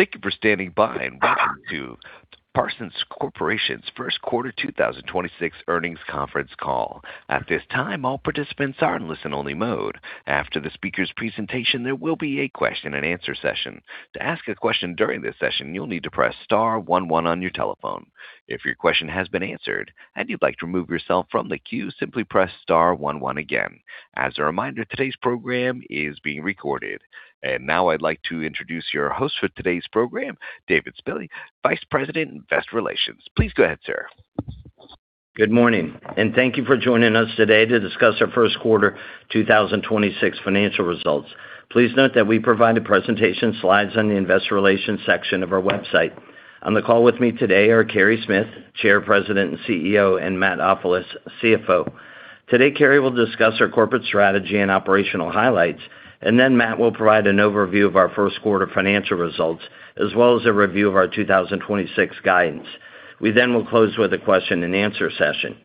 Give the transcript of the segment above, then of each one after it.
Thank you for standing by, welcome to Parsons Corporation's Q1 2026 earnings conference call. At this time, all participants are in listen-only mode. After the speaker's presentation, there will be a question-and-answer session. To ask a question during this session, you'll need to press star one one on your telephone. If your question has been answered and you'd like to remove yourself from the queue, simply press star one one again. As a reminder, today's program is being recorded. Now I'd like to introduce your host for today's program, David Spille, Vice President, Investor Relations. Please go ahead, sir. Good morning, and thank you for joining us today to discuss our Q1 2026 financial results. Please note that we provide the presentation slides on the Investor Relations section of our website. On the call with me today are Carey Smith, Chair, President, and CEO, and Matt Ofilos, CFO. Today, Carey will discuss our corporate strategy and operational highlights, and then Matt will provide an overview of our Q1 financial results, as well as a review of our 2026 guidance, and then will close with a question-and-answer session.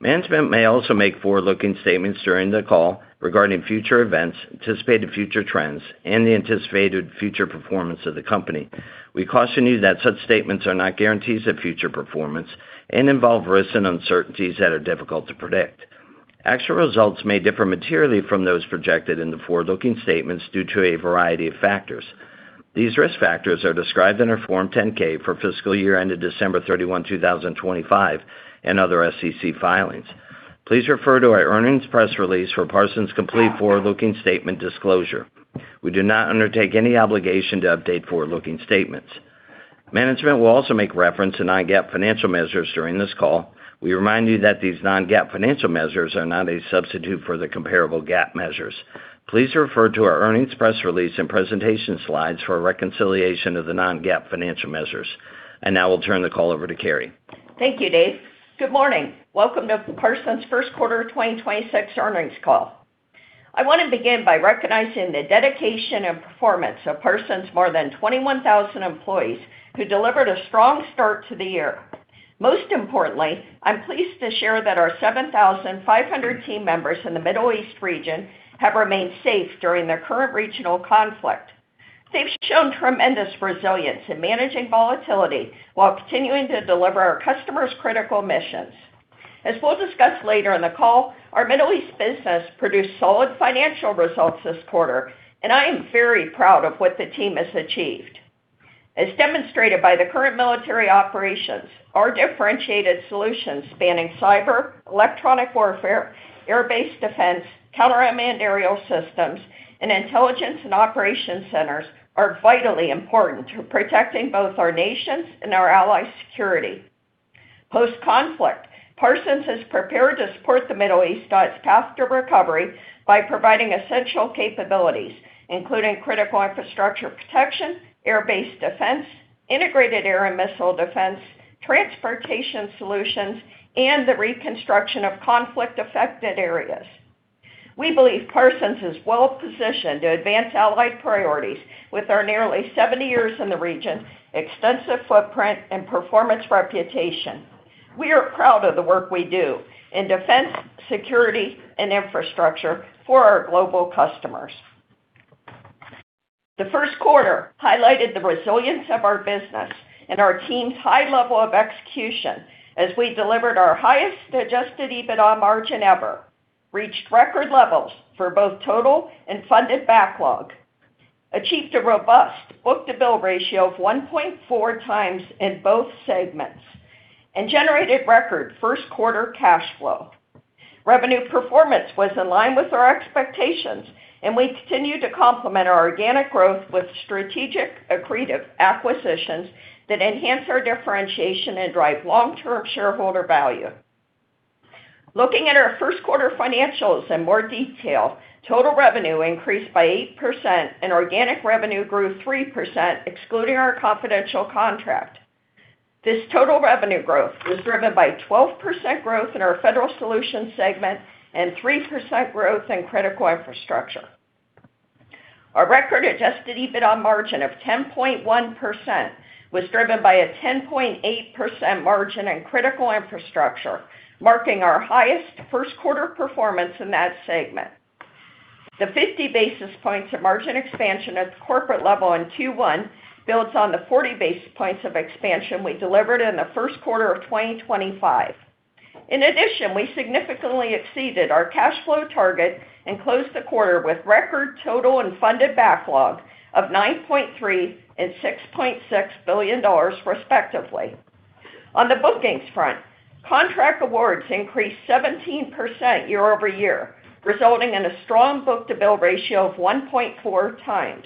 Management may also make forward-looking statements during the call regarding future events, anticipated future trends, and the anticipated future performance of the company. We caution you that such statements are not guarantees of future performance and involve risks and uncertainties that are difficult to predict. Actual results may differ materially from those projected in the forward-looking statements due to a variety of factors. These risk factors are described in our Form 10-K for fiscal year ended 31 December 2025 and other SEC filings. Please refer to our earnings press release for Parsons' complete forward-looking statement disclosure. We do not undertake any obligation to update forward-looking statements. Management will also make reference to non-GAAP financial measures during this call. We remind you that these non-GAAP financial measures are not a substitute for the comparable GAAP measures. Please refer to our earnings press release and presentation slides for a reconciliation of the non-GAAP financial measures, and now we'll turn the call over to Carey. Thank you Dave. Good morning. Welcome to Parsons' Q1 2026 earnings call. I want to begin by recognizing the dedication and performance of Parsons' more than 21,000 employees who delivered a strong start to the year. Most importantly, I'm pleased to share that our 7,500 team members in the Middle East region have remained safe during the current regional conflict. They've shown tremendous resilience in managing volatility while continuing to deliver our customers critical missions. As we'll discuss later in the call, our Middle East business produced solid financial results this quarter, and I am very proud of what the team has achieved. As demonstrated by the current military operations, our differentiated solutions spanning cyber, electronic warfare, air base defense, counter-unmanned aerial systems, and intelligence and operations centers are vitally important to protecting both our nation's and our allies' security. Post-conflict, Parsons is prepared to support the Middle East on its path to recovery by providing essential capabilities, including Critical Infrastructure protection, air-base defense, integrated air and missile defense, transportation solutions, and the reconstruction of conflict-affected areas. We believe Parsons is well positioned to advance allied priorities with our nearly 70 years in the region, extensive footprint and performance reputation. We are proud of the work we do, in defense, security, and infrastructure for our global customers. The Q1 highlighted the resilience of our business and our team's high level of execution, as we delivered our highest adjusted EBITDA margin ever, reached record levels for both total and funded backlog, achieved a robust book-to-bill ratio of 1.4x in both segments, and generated record Q1 cash flow. Revenue performance was in line with our expectations, and we continue to complement our organic growth with strategic accretive acquisitions that enhance our differentiation and drive long-term shareholder value. Looking at our Q1 financials in more detail, total revenue increased by 8% and organic revenue grew 3% excluding our confidential contract. This total revenue growth was driven by 12% growth in our Federal Solutions segment and 3% growth in Critical Infrastructure. Our record adjusted EBITDA margin of 10.1% was driven by a 10.8% margin in Critical Infrastructure, marking our highest Q1 performance in that segment. The 50 basis points of margin expansion at the corporate level in Q1, builds on the 40 basis points of expansion we delivered in the Q1 of 2025. In addition we significantly exceeded our cash flow target and closed the quarter with record total and funded backlog of $9.3 and $6.6 billion respectively. On the bookings front, contract awards increased 17% year-over-year, resulting in a strong book-to-bill ratio of 1.4x.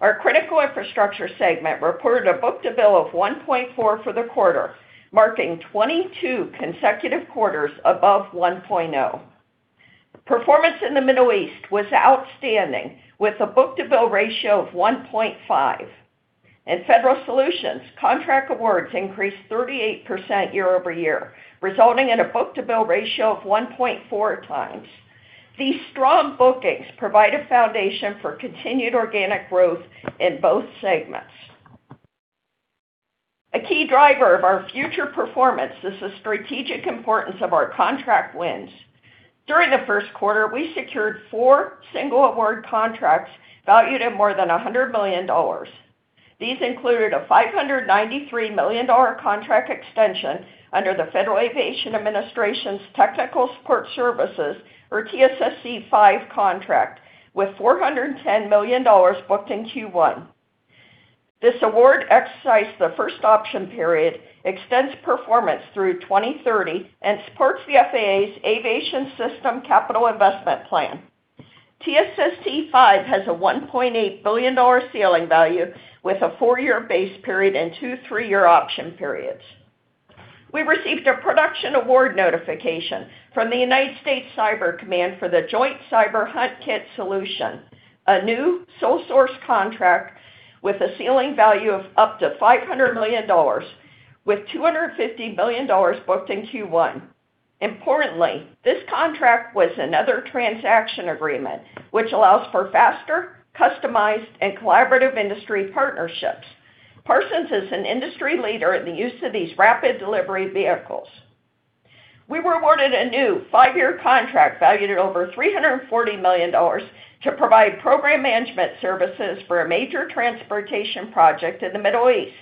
Our Critical Infrastructure segment reported a book-to-bill of 1.4 for the quarter, marking 22 consecutive quarters above 1.0. Performance in the Middle East was outstanding with a book-to-bill ratio of 1.5. In Federal Solutions, contract awards increased 38% year-over-year, resulting in a book-to-bill ratio of 1.4x. These strong bookings provide a foundation for continued organic growth in both segments. A key driver of our future performance is the strategic importance of our contract wins. During the Q1 we secured four single award contracts valued at more than $100 million. These included a $593 million contract extension under the Federal Aviation Administration's Technical Support Services, or TSSC-V contract, with $410 million booked in Q1. This award exercised the first option period, extends performance through 2030 and supports the FAA's Aviation System Capital Investment Plan. TSSC V has a $1.8 billion ceiling value with a four-year base period and two three-year option periods. We received a production award notification, from the United States Cyber Command for the Joint Cyber Hunt Kit solution, a new sole source contract with a ceiling value of up to $500 million, with $250 million booked in Q1. Importantly, this contract was another transaction agreement which allows for faster, customized, and collaborative industry partnerships. Parsons is an industry leader in the use of these rapid delivery vehicles. We were awarded a new 5-year contract valued at over $340 million to provide program management services for a major transportation project in the Middle East,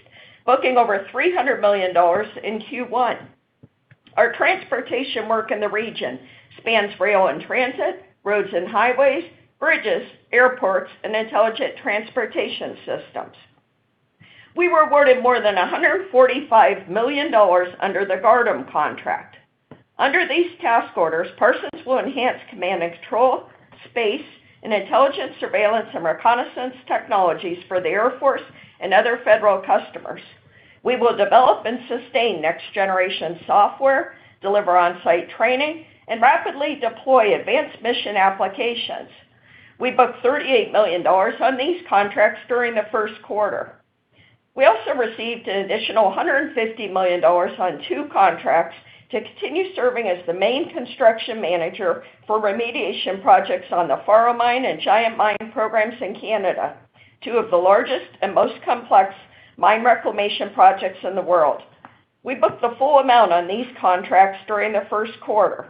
booking over $300 million in Q1. Our transportation work in the region spans rail and transit, roads and highways, bridges, airports, and intelligent transportation systems. We were awarded more than $145 million under the GARDEM contract. Under these task orders Parsons will enhance command and control, space, and intelligence surveillance and reconnaissance technologies for the Air Force and other federal customers. We will develop and sustain next generation software, deliver on-site training, and rapidly deploy advanced mission applications. We booked $38 million on these contracts during the Q1. We also received an additional $150 million on two contracts to continue serving as the main construction manager for remediation projects on the Faro Mine and Giant Mine programs in Canada, two of the largest and most complex mine reclamation projects in the world. We booked the full amount on these contracts during the Q1.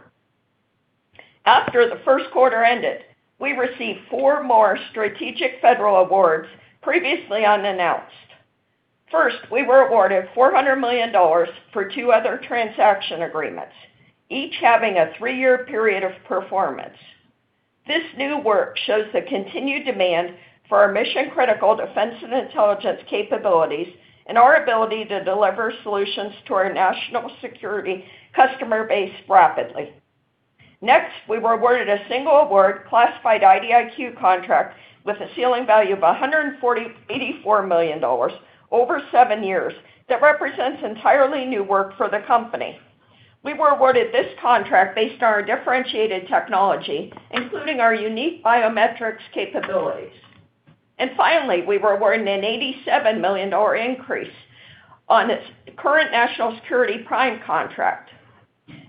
After the Q1 ended, we received four more strategic federal awards previously unannounced. We were awarded $400 million for two other transaction agreements, each having a three-year period of performance. This new work shows the continued demand for our mission-critical defense and intelligence capabilities and our ability to deliver solutions to our national security customer base rapidly. We were awarded a single award classified IDIQ contract with a ceiling value of $84 million over seven years that represents entirely new work for the company. We were awarded this contract based on our differentiated technology, including our unique biometrics capabilities, and finally we were awarded an $87 million increase, on its current national security prime contract.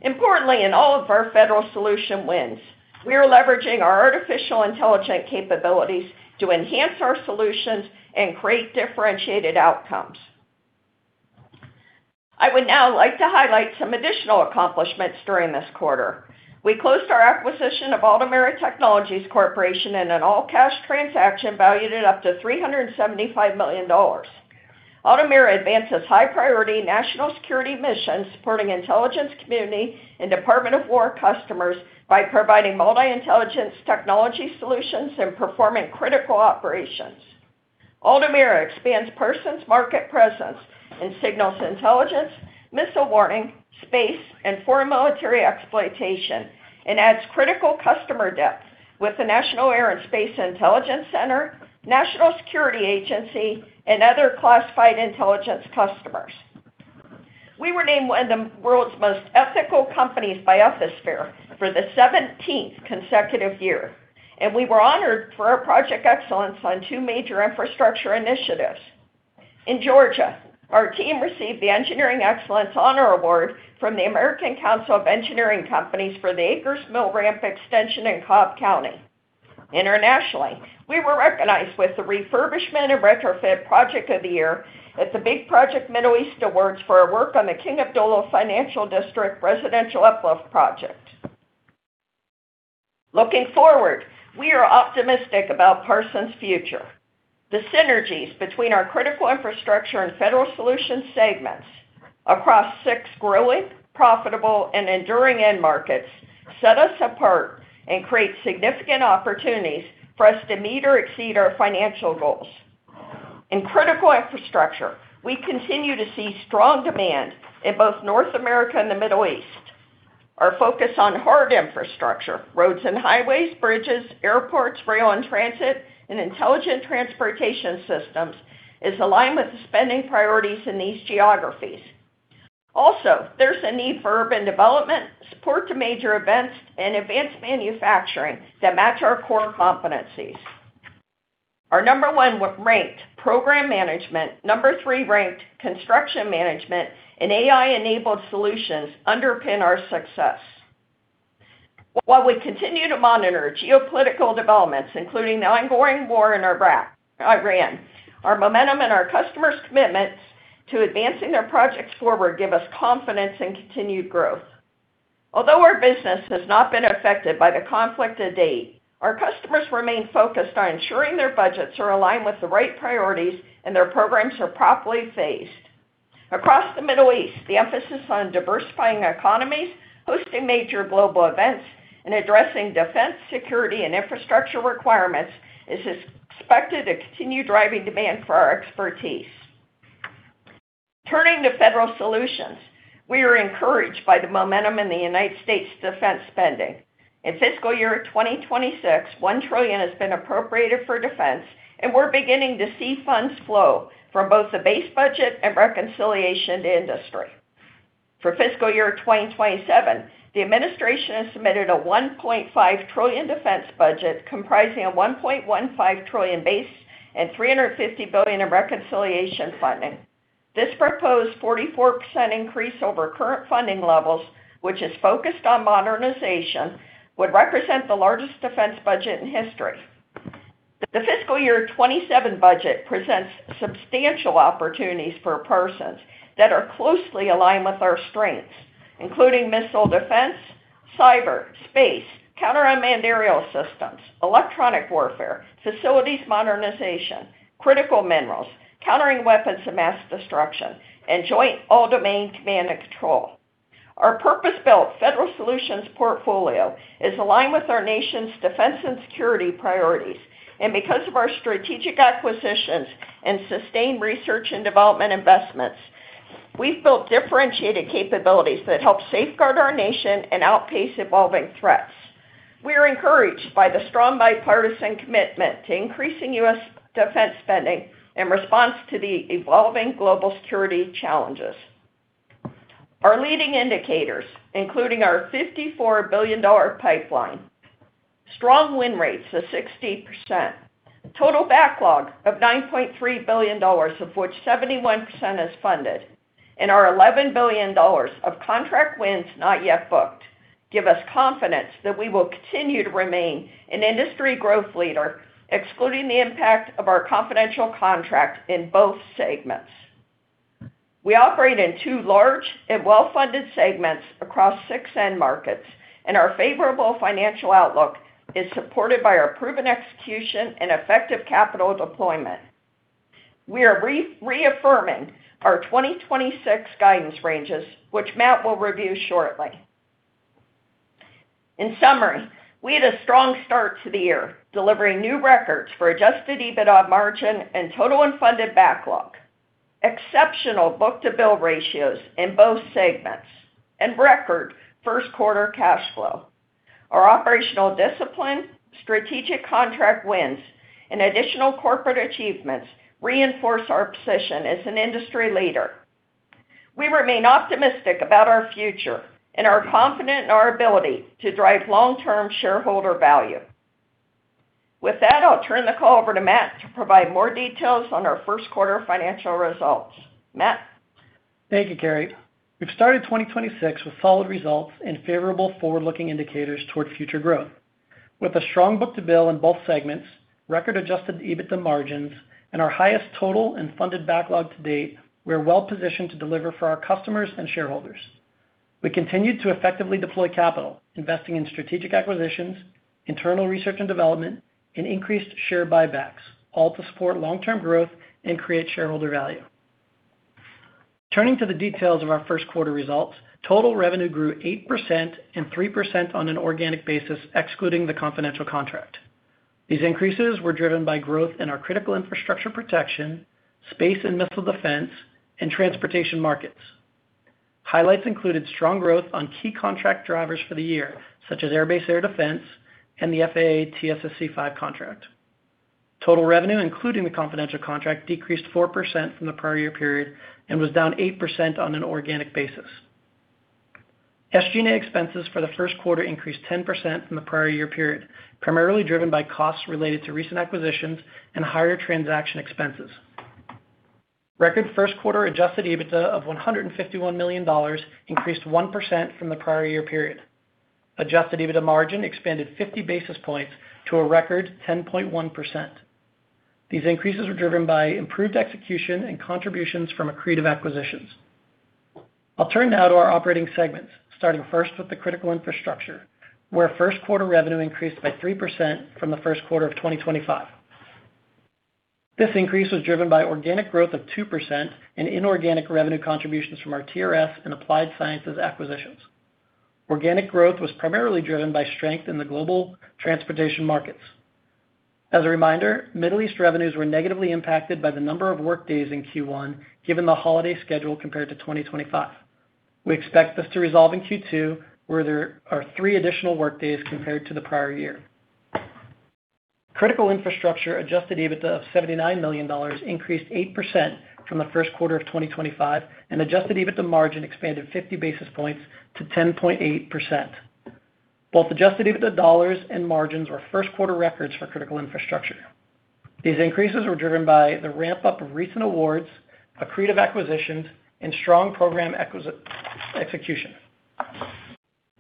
Importantly in all of our federal solution wins, we are leveraging our Artificial Intelligence capabilities to enhance our solutions and create differentiated outcomes. I would now like to highlight some additional accomplishments during this quarter. We closed our acquisition of Altamira Technologies Corporation in an all-cash transaction valued at up to $375 million. Altamira advances high-priority national security missions supporting intelligence community and Department of Defense customers by providing multi-intelligence technology solutions and performing critical operations. Altamira expands Parsons' market presence in signals intelligence, missile warning, space, and foreign military exploitation, and adds critical customer depth with the National Air and Space Intelligence Center, National Security Agency, and other classified intelligence customers. We were named one of the world's most ethical companies by Ethisphere for the 17th consecutive year, and we were honored for our project excellence on two major infrastructure initiatives. In Georgia, our team received the Engineering Excellence Honor Award from the American Council of Engineering Companies for the Akers Mill Road Ramp Extension in Cobb County. Internationally, we were recognized with the Refurbishment and Retrofit Project of the Year at the Big Project Middle East Awards for our work on the King Abdullah Financial District Residential Uplift Project. Looking forward, we are optimistic about Parsons' future. The synergies between our Critical Infrastructure and federal solutions segments across six growing, profitable and enduring end markets, set us apart and create significant opportunities for us to meet or exceed our financial goals. In Critical Infrastructure, we continue to see strong demand in both North America and the Middle East. Our focus on hard infrastructure roads and highways, bridges, airports, rail and transit, and intelligent transportation systems, is aligned with the spending priorities in these geographies. Also, there's a need for urban development, support to major events, and advanced manufacturing that match our core competencies. Our number one ranked program management, number three ranked construction management, and AI-enabled solutions underpin our success. While we continue to monitor geopolitical developments including the ongoing war in Iraq- Iran, our momentum and our customers' commitments to advancing their projects forward give us confidence in continued growth. Although our business has not been affected by the conflict to date, our customers remain focused on ensuring their budgets are aligned with the right priorities and their programs are properly phased. Across the Middle East the emphasis on diversifying economies, hosting major global events, and addressing defense, security and infrastructure requirements is expected to continue driving demand for our expertise. Turning to federal solutions, we are encouraged by the momentum in U.S. defense spending, in fiscal year 2026, $1 trillion has been appropriated for defense, and we're beginning to see funds flow from both the base budget and reconciliation to industry. For fiscal year 2027, the administration has submitted a $1.5 trillion defense budget comprising a $1.15 trillion base and $350 billion in reconciliation funding. This proposed 44% increase over current funding levels, which is focused on modernization, would represent the largest defense budget in history. The fiscal year 2027 budget presents substantial opportunities for Parsons that are closely aligned with our strengths, including missile defense, cyber, space, counter-unmanned aerial systems, electronic warfare, facilities modernization, critical minerals, countering weapons of mass destruction, and Joint All-Domain Command and Control. Our purpose-built Federal Solutions portfolio is aligned with our nation's defense and security priorities. Because of our strategic acquisitions and sustained research and development investments, we've built differentiated capabilities that help safeguard our nation and outpace evolving threats. We are encouraged by the strong bipartisan commitment to increasing U.S. defense spending in response to the evolving global security challenges. Our leading indicators, including our $54 billion pipeline, strong win rates of 60%, total backlog of $9.3 billion of which 71% is funded, and our $11 billion of contract wins not yet booked give us confidence that we will continue to remain an industry growth leader, excluding the impact of our confidential contract in both segments. We operate in two large and well-funded segments across six end markets, and our favorable financial outlook is supported by our proven execution and effective capital deployment. We are reaffirming our 2026 guidance ranges which Matt will review shortly. In summary, we had a strong start to the year, delivering new records for adjusted EBITDA margin and total unfunded backlog, exceptional book-to-bill ratios in both segments and record Q1 cash flow. Our operational discipline, strategic contract wins, and additional corporate achievements reinforce our position as an industry leader. We remain optimistic about our future and are confident in our ability to drive long-term shareholder value. With that i'll turn the call over to Matt to provide more details on our Q1 financial results, Matt? Thank you Carey, we've started 2026 with solid results and favorable forward-looking indicators toward future growth. With a strong book to bill in both segments, record-adjusted EBITDA margins, and our highest total and funded backlog to date, we are well-positioned to deliver for our customers and shareholders. We continued to effectively deploy capital, investing in strategic acquisitions, internal research and development, and increased share buybacks, all to support long-term growth and create shareholder value. Turning to the details of our Q1 results, total revenue grew 8% and 3% on an organic basis excluding the confidential contract. These increases were driven by growth in our Critical Infrastructure protection, space and missile defense, and transportation markets. Highlights included strong growth on key contract drivers for the year, such as Air Base Air Defense and the FAA TSSC V contract. Total revenue, including the confidential contract decreased 4% from the prior year period and was down 8% on an organic basis. SG&A expenses for the Q1 increased 10% from the prior year period, primarily driven by costs related to recent acquisitions and higher transaction expenses. Record Q1 adjusted EBITDA of $151 million increased 1% from the prior year period. Adjusted EBITDA margin expanded 50 basis points to a record 10.1%. These increases were driven by improved execution and contributions from accretive acquisitions. I'll turn now to our operating segments, starting first with the Critical Infrastructure, where Q1 revenue increased by 3% from the Q1 of 2025. This increase was driven by organic growth of 2% and inorganic revenue contributions from our TRS and Applied Sciences acquisitions. Organic growth was primarily driven by strength in the global transportation markets. As a reminder, Middle East revenues were negatively impacted by the number of workdays in Q1, given the holiday schedule compared to 2025. We expect this to resolve in Q2, where there are three additional workdays compared to the prior year. Critical Infrastructure adjusted EBITDA of $79 million increased 8% from the Q1 of 2025, and adjusted EBITDA margin expanded 50 basis points to 10.8%. Both adjusted EBITDA dollars and margins were Q1 records for Critical Infrastructure. these increases were driven by the ramp-up of recent awards, accretive acquisitions, and strong program execution.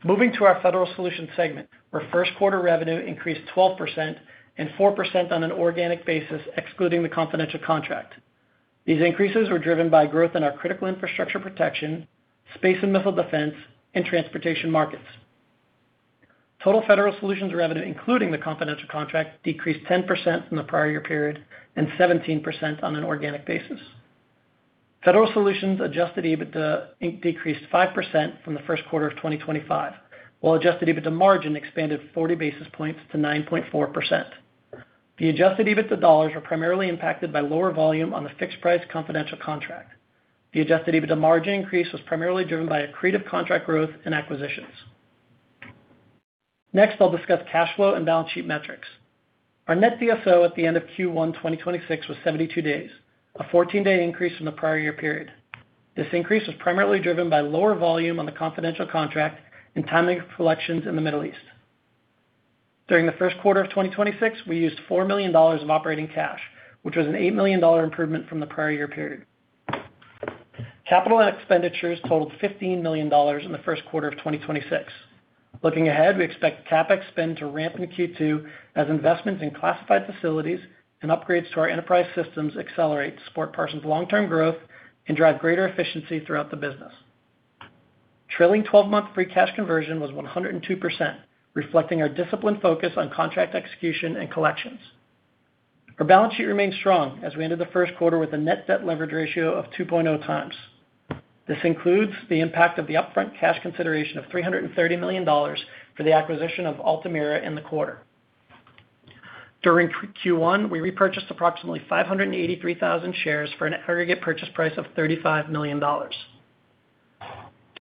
Moving to our Federal Solutions segment where Q1 revenue increased 12% and 4% on an organic basis excluding the confidential contract. These increases were driven by growth in our Critical Infrastructure protection, space and missile defense, and transportation markets. Total Federal Solutions revenue including the confidential contract decreased 10% from the prior year period and 17% on an organic basis. Federal Solutions adjusted EBITDA increased 5% from the Q1 of 2025, while adjusted EBITDA margin expanded 40 basis points to 9.4%. The adjusted EBITDA dollars were primarily impacted by lower volume on the fixed price confidential contract. The adjusted EBITDA margin increase was primarily driven by accretive contract growth and acquisitions. Next i'll discuss cash flow and balance sheet metrics. Our net DSO at the end of Q1 2026 was 72 days, a 14-day increase from the prior year period. This increase was primarily driven by lower volume on the confidential contract and timing of collections in the Middle East. During the Q1 of 2026 we used $4 million of operating cash, which was an $8 million improvement from the prior year period. Capital and expenditures totaled $15 million in the Q1 of 2026. Looking ahead we expect CapEx spend to ramp in Q2 as investments in classified facilities and upgrades to our enterprise systems accelerate to support Parsons' long-term growth and drive greater efficiency throughout the business. Trailing 12-month free cash conversion was 102%, reflecting our disciplined focus on contract execution and collections. Our balance sheet remains strong as we ended the Q1 with a net debt leverage ratio of 2.0x. This includes the impact of the upfront cash consideration of $330 million for the acquisition of Altamira in the quarter. During Q1 we repurchased approximately 583,000 shares for an aggregate purchase price of $35 million.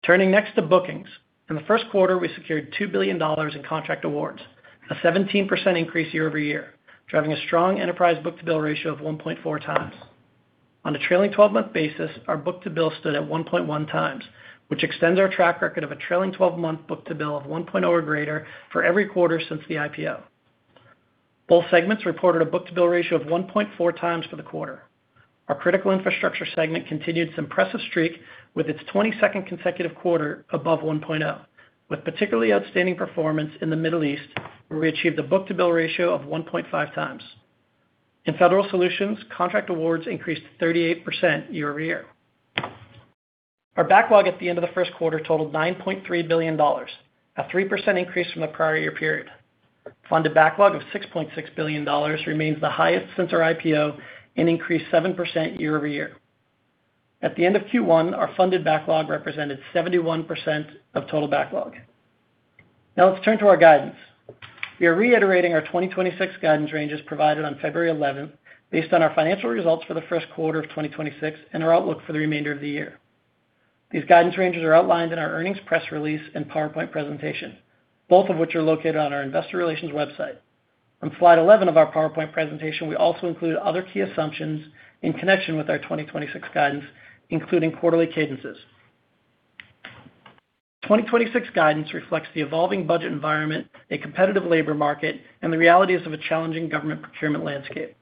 Turning next to bookings. In the Q1 we secured $2 billion in contract awards, a 17% increase year-over-year, driving a strong enterprise book-to-bill ratio of 1.4x. On a trailing 12-month basis our book-to-bill stood at 1.1x, which extends our track record of a trailing 12-month book-to-bill of 1.0 or greater for every quarter since the IPO. Both segments reported a book-to-bill ratio of 1.4x for the quarter. Our Critical Infrastructure segment continued its impressive streak with its 22nd consecutive quarter above 1.0, with particularly outstanding performance in the Middle East, where we achieved a book-to-bill ratio of 1.5x. In Federal Solutions, contract awards increased 38% year-over-year. Our backlog at the end of the Q1 totaled $9.3 billion, a 3% increase from the prior year period. Funded backlog of $6.6 billion remains the highest since our IPO and increased 7% year-over-year. At the end of Q1 our funded backlog represented 71% of total backlog. Now let's turn to our guidance. We are reiterating our 2026 guidance ranges provided on 11 February based on our financial results for the Q1 of 2026 and our outlook for the remainder of the year. These guidance ranges are outlined in our earnings press release and PowerPoint presentation, both of which are located on our investor relations website. On slide 11 of our PowerPoint presentation we also include other key assumptions in connection with our 2026 guidance, including quarterly cadences. 2026 guidance reflects the evolving budget environment, a competitive labor market, and the realities of a challenging government procurement landscape.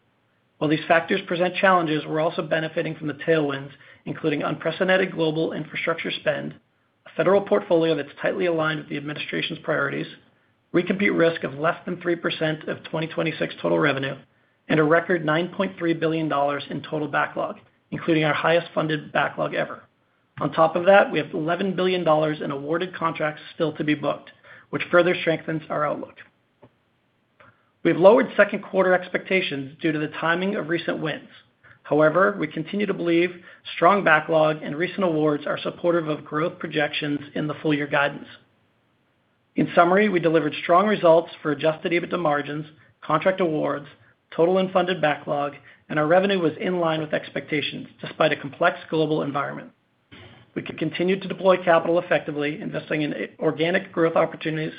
While these factors present challenges we're also benefiting from the tailwinds, including unprecedented global infrastructure spend, a federal portfolio that's tightly aligned with the administration's priorities, recompute risk of less than 3% of 2026 total revenue, and a record $9.3 billion in total backlog, including our highest funded backlog ever. On top of that we have $11 billion in awarded contracts still to be booked, which further strengthens our outlook. We've lowered Q2 expectations due to the timing of recent wins. However we continue to believe strong backlog and recent awards are supportive of growth projections in the full year guidance. In summary we delivered strong results for adjusted EBITDA margins, contract awards, total unfunded backlog, and our revenue was in line with expectations despite a complex global environment. We could continue to deploy capital effectively investing in organic growth opportunities,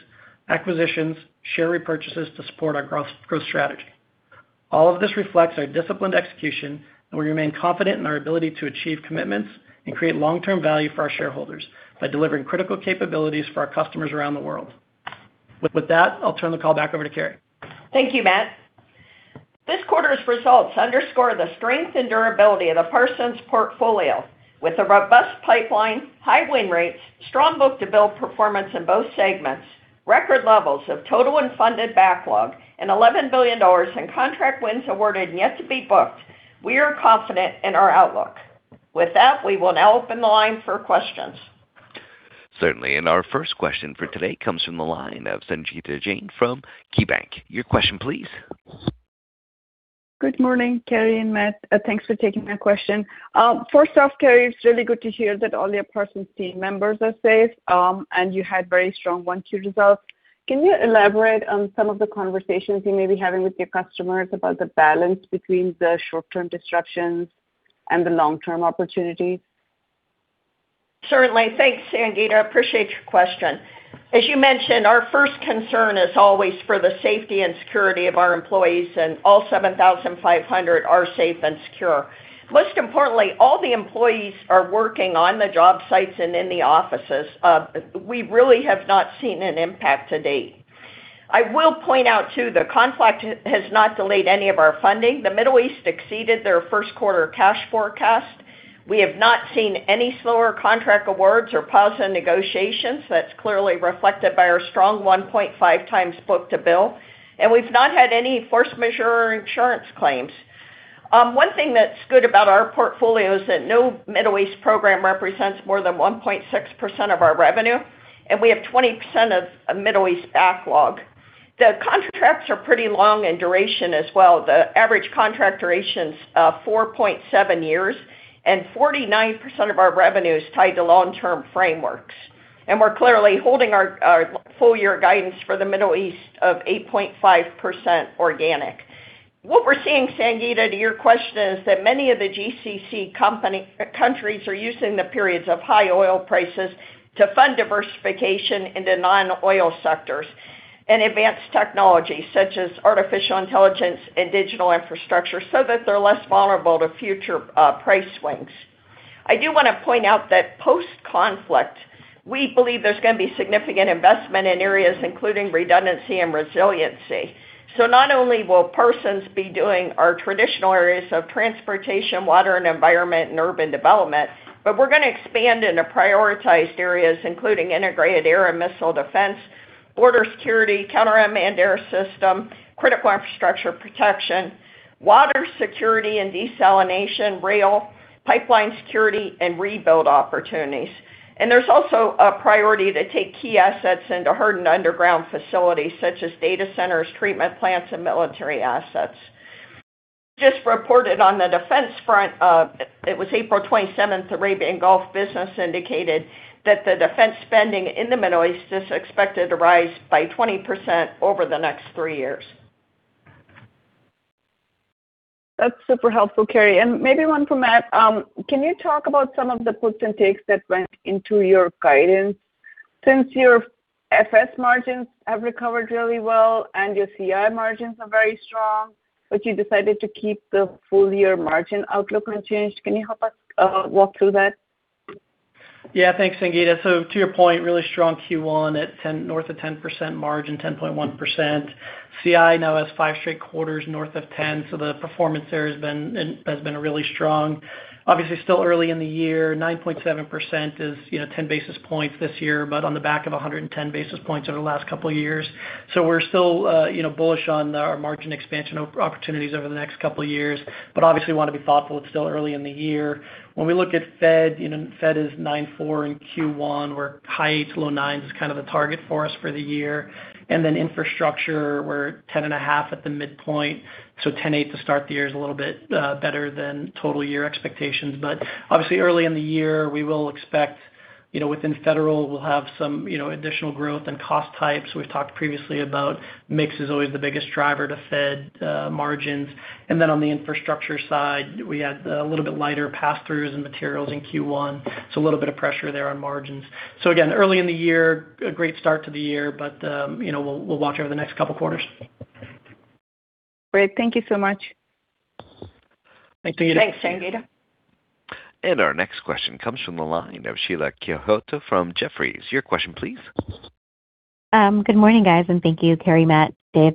acquisitions, share repurchases to support our growth strategy. All of this reflects our disciplined execution, and we remain confident in our ability to achieve commitments and create long-term value for our shareholders by delivering critical capabilities for our customers around the world. With that, I'll turn the call back over to Carey. Thank you Matt. This quarter's results underscore the strength and durability of the Parsons portfolio with a robust pipeline, high win rates, strong book-to-bill performance in both segments, record levels of total unfunded backlog, and $11 billion in contract wins awarded and yet to be booked, we are confident in our outlook, with that we will now open the line for questions. Certainly our first question for today comes from the line of Sangita Jain from KeyBanc. Your question please. Good morning Carey and Matt, thanks for taking my question. First off Carey it's really good to hear that all your Parsons team members are safe, and you had very strong Q1, Q2 results. Can you elaborate on some of the conversations you may be having with your customers about the balance between the short-term disruptions and the long-term opportunities? Certainly. Thanks Sangita appreciate your question. As you mentioned our first concern is always for the safety and security of our employees and all 7,500 are safe and secure. Most importantly all the employees are working on the job sites and in the offices but we really have not seen an impact to date. I will point out too the conflict has not delayed any of our funding the Middle East exceeded their Q1 cash forecast. We have not seen any slower contract awards or pause in negotiations that's clearly reflected by our strong 1.5x book to bill. We've not had any force majeure insurance claims. One thing that's good about our portfolio is that no Middle East program represents more than 1.6% of our revenue, and we have 20% of Middle East backlog. The contracts are pretty long in duration as well the average contract duration's 4.7 years, and 49% of our revenue is tied to long-term frameworks, and we're clearly holding our full year guidance for the Middle East of 8.5% organic. What we're seeing Sangita to your question is that many of the GCC countries are using the periods of high oil prices to fund diversification into non-oil sectors, and advanced technologies such as artificial intelligence and digital infrastructure so that they're less vulnerable to future price swings. I do want to point out that post-conflict, we believe there's going to be significant investment in areas including redundancy and resiliency. Not only will Parsons be doing our traditional areas of transportation water and environment and urban development, but we're gonna expand into prioritized areas including integrated air and missile defense, border security, counter unmanned air system, Critical Infrastructure protection, water security and desalination, rail, pipeline security, and rebuild opportunities. There's also a priority to take key assets into hardened underground facilities such as data centers, treatment plants and military assets. Just reported on the defense front it was 27 April Arabian Gulf Business indicated that the defense spending in the Middle East is expected to rise by 20% over the next three years. That's super helpful Carey and maybe one for Matt. Can you talk about some of the puts and takes that went into your guidance? since your FS margins have recovered really well and your CI margins are very strong, but you decided to keep the full year margin outlook unchanged, can you help us walk through that? Thanks Sangita to your point really strong Q1 at north of 10% margin 10.1%. CI now has five straight quarters north of 10% the performance there has been really strong. Obviously still early in the year 9.7% is you know 10 basis points this year on the back of 110 basis points over the last couple of years, so we're still, you know bullish on our margin expansion opportunities over the next couple of years, obviously wanna be thoughtful it's still early in the year. When we look at Fed you know Fed is 9.4 in Q1 we're high 8s, low 9s is kind of the target for us for the year. Infrastructure, we are 10.5 at the midpoint, 10.8 to start the year is a little bit better than total year expectations but obviously early in the year we will expect, you know within Federal we will have some you know additional growth and cost types we have talked previously about mix is always the biggest driver to Fed margins. On the infrastructure side, we had a little bit lighter pass-throughs and materials in Q1, a little bit of pressure there on margins, so again early in the year, a great start to the year but, you know we will watch over the next couple quarters. Great thank you so much. Thanks Sangita. Thanks Sangita. Our next question comes from the line of Sheila Kahyaoglu from Jefferies your question please. Good morning guys and thank you Carey, Matt, Dave.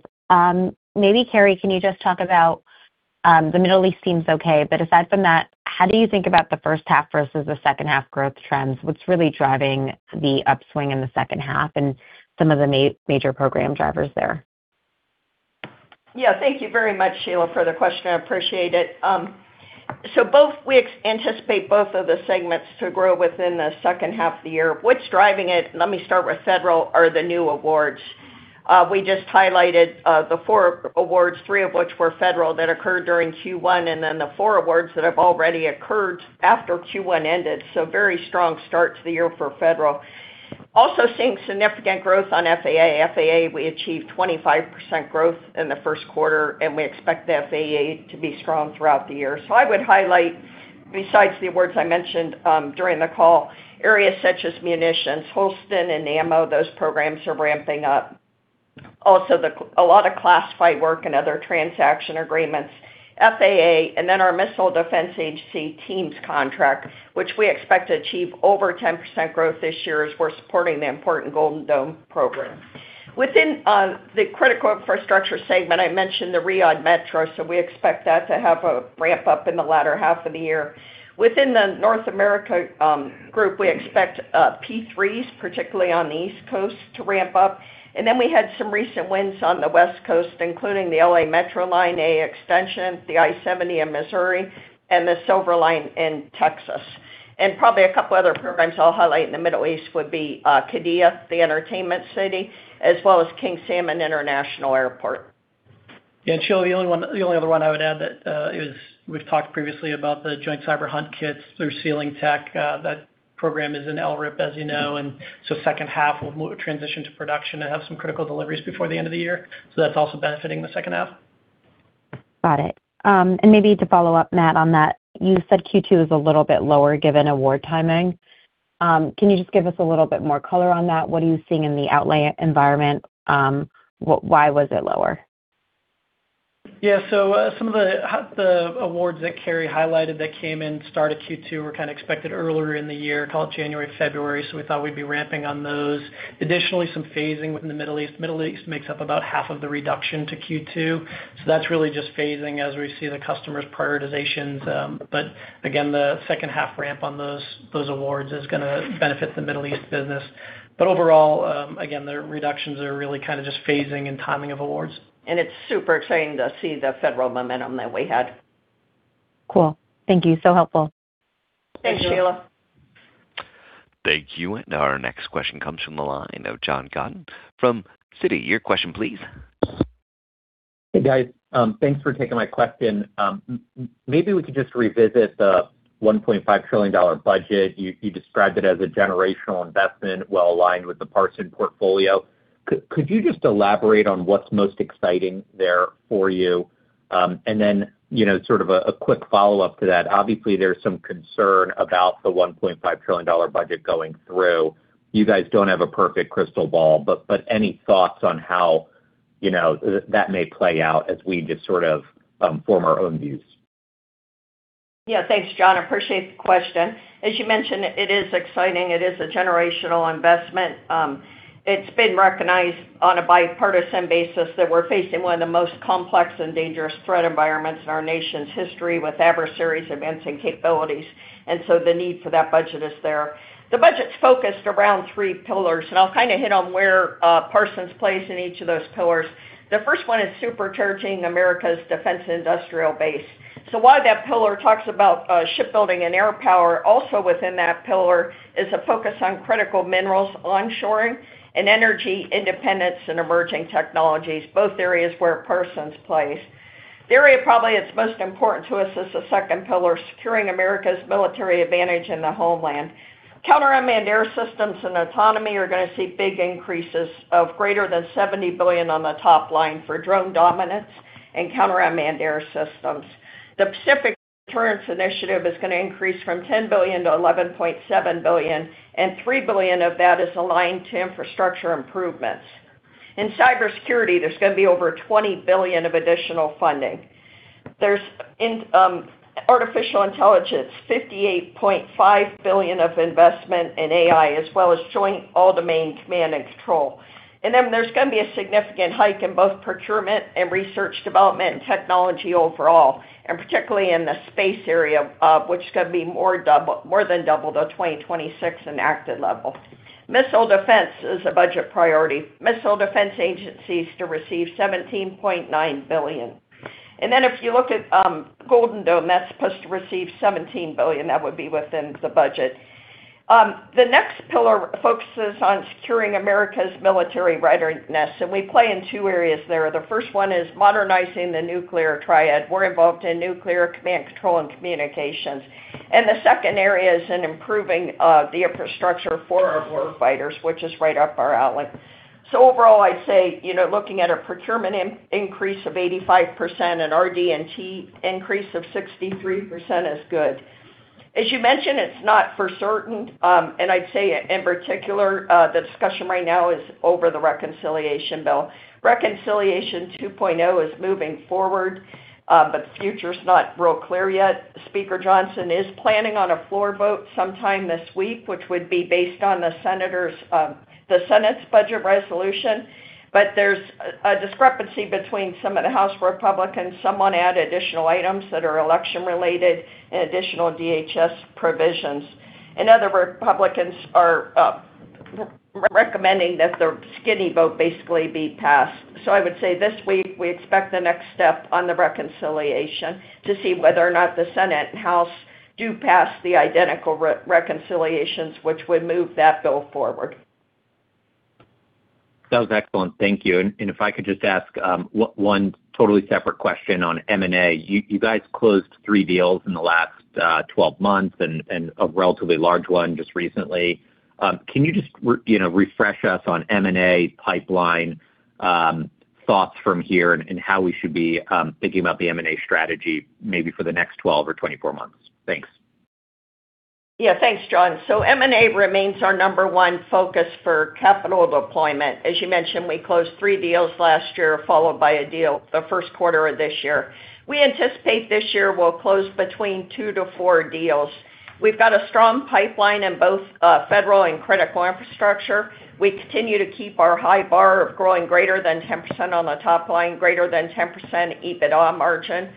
Maybe Carey can you just talk about the Middle East seems okay but aside from that, how do you think about the first half versus the second half growth trends? What's really driving the upswing in the second half and some of the major program drivers there? Yeah. Thank you very much Sheila for the question i appreciate it. We anticipate both of the segments to grow within the second half of the year what's driving it let me start with federal are the new awards. We just highlighted the four awards three of which were federal that occurred during Q1 and then the four awards that have already occurred after Q1 ended very strong start to the year for federal. Also seeing significant growth on FAA, FAA we achieved 25% growth in the Q1, and we expect FAA to be strong throughout the year i would highlight, besides the awards i mentioned, during the call, areas such as munitions, Holston and Ammo those programs are ramping up. A lot of classified work and other transaction agreements, FAA, and then our Missile Defense Agency Teams contract, which we expect to achieve over 10% growth this year as we're supporting the important Golden Dome program. Within the Critical Infrastructure segment i mentioned the Riyadh Metro we expect that to have a ramp-up in the latter half of the year. Within the North America group we expect P3s particularly on the East Coast, to ramp up and we had some recent wins on the West Coast including the LA Metro line a extension, the I-70 in Missouri, and the Silver Line in Texas, and probably a couple other programs I'll highlight in the Middle East would be Qiddiya, the entertainment city, as well as King Salman International Airport. Sheila the only other one I would add that is we've talked previously about the Joint Cyber Hunt Kit through Chesapeake Technology International that program is in LRIP as you know, second half will transition to production and have some critical deliveries before the end of the year. That's also benefiting the second half. Got it. Maybe to follow up Matt on that, you said Q2 is a little bit lower given award timing. Can you just give us a little bit more color on that? What are you seeing in the outlay environment? Why was it lower? Some of the awards that Carey highlighted that came in start of Q2 were kind of expected earlier in the year call it January, February so we thought we'd be ramping on those. Additionally, some phasing within the Middle East, Middle East makes up about half of the reduction to Q2, so that's really just phasing as we see the customers' prioritizations, but again the second half ramp on those awards is gonna benefit the Middle East business. Overall, again, the reductions are really kind of just phasing and timing of awards. It's super exciting to see the federal momentum that we had. Cool. Thank you helpful. Thanks Sheila. Thank you. Thank you our next question comes from the line of John Godyn from Citi your question please. Hey guys. Thanks for taking my question. Maybe we could just revisit the $1.5 trillion budget you described it as a generational investment well aligned with the Parsons portfolio. Could you just elaborate on what's most exciting there for you? Then, you know, sort of a quick follow-up to that obviously there's some concern about the $1.5 trillion budget going through. You guys don't have a perfect crystal ball, but any thoughts on how, you know, that may play out as we just sort of form our own views? Yeah thanks John appreciate the question. As you mentioned, it is exciting it is a generational investment. It's been recognized on a bipartisan basis that we're facing one of the most complex and dangerous threat environments in our nation's history with adversaries advancing capabilities, and so the need for that budget is there. The budget's focused around three pillars i'll kind of hit on where Parsons plays in each of those pillars. The first one is supercharging America's defense industrial base. While that pillar talks about shipbuilding and air power also within that pillar is a focus on critical minerals on shoring and energy independence and emerging technologies both areas where Parsons plays. The area probably that's most important to us is the second pillar, securing America's military advantage in the homeland. Counter unmanned air systems and autonomy are gonna see big increases of greater than $70 billion on the top line for Drone Dominance and counter unmanned air systems. The Pacific Deterrence Initiative is gonna increase from $10 billion-$11.7 billion, and $3 billion of that is aligned to infrastructure improvements. In cybersecurity there's gonna be over $20 billion of additional funding. There's in artificial intelligence, $58.5 billion of investment in AI as well as Joint All Domain Command and Control. There's gonna be a significant hike in both procurement and Research Development and Technology overall, particularly in the space area which is gonna be more than double the 2026 enacted level. Missile defense is a budget priority, Missile Defense Agency to receive $17.9 billion. If you look at Golden Dome that's supposed to receive $17 billion that would be within the budget. The next pillar focuses on securing America's military readiness we play in two areas there the first one is modernizing the nuclear triad we're involved in nuclear command control and communications. The second area is in improving the infrastructure for our war fighters which is right up our alley. Overall i'd say you know looking at a procurement increase of 85% and RDT&E increase of 63% is good. As you mentioned, it's not for certain and i'd say in particular, the discussion right now is over the reconciliation bill. Reconciliation 2.0 is moving forward. The future's not real clear yet speaker Johnson is planning on a floor vote sometime this week, which would be based on the senators, the Senate's budget resolution. There's a discrepancy between some of the House Republicans some wanna add additional items that are election related and additional DHS provisions. Other Republicans are recommending that the skinny vote basically be passed. I would say this week we expect the next step on the reconciliation to see whether or not the Senate and House do pass the identical reconciliations, which would move that bill forward. That was excellent thank you, if I could just ask one totally separate question on M&A you guys closed three deals in the last 12 months and a relatively large one just recently. Can you just you know, refresh us on M&A pipeline, thoughts from here and how we should be thinking about the M&A strategy maybe for the next 12 or 24 months? thanks. Thanks John, so M&A remains our number one focus for capital deployment, as you mentioned we closed three deals last year, followed by a deal the Q1 of this year. We anticipate this year we'll close between two to four deals. We've got a strong pipeline in both federal and Critical Infrastructure. We continue to keep our high bar of growing greater than 10% on the top line, greater than 10% EBITDA margin.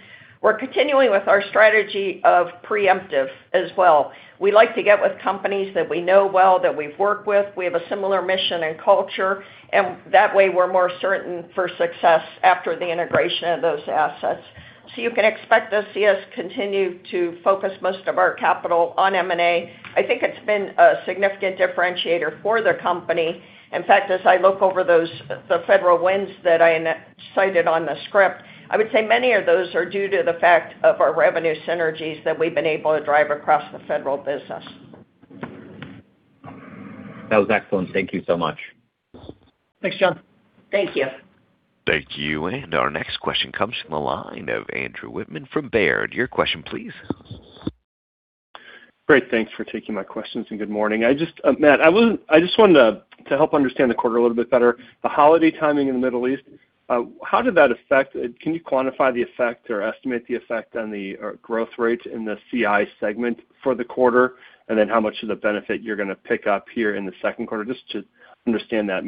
We're continuing with our strategy of preemptive as well. We like to get with companies that we know well, that we've worked with we have a similar mission and culture. That way we're more certain for success after the integration of those assets. You can expect to see us continue to focus most of our capital on M&A. I think it's been a significant differentiator for the company. In fact, as I look over those, the Federal wins that I cited on the script, I would say many of those are due to the fact of our revenue synergies that we've been able to drive across the Federal business. That was excellent thank you so much. Thanks John. Thank you. Thank you our next question comes from the line of Andrew Wittmann from Baird your question please. Great thanks for taking my questions, good morning i just Matt i just wanted to help understand the quarter a little bit better. The holiday timing in the Middle East, how did that affect? Can you quantify the effect or estimate the effect on the growth rate in the CI segment for the quarter? How much of the benefit you're gonna pick up here in the Q2? Just to understand those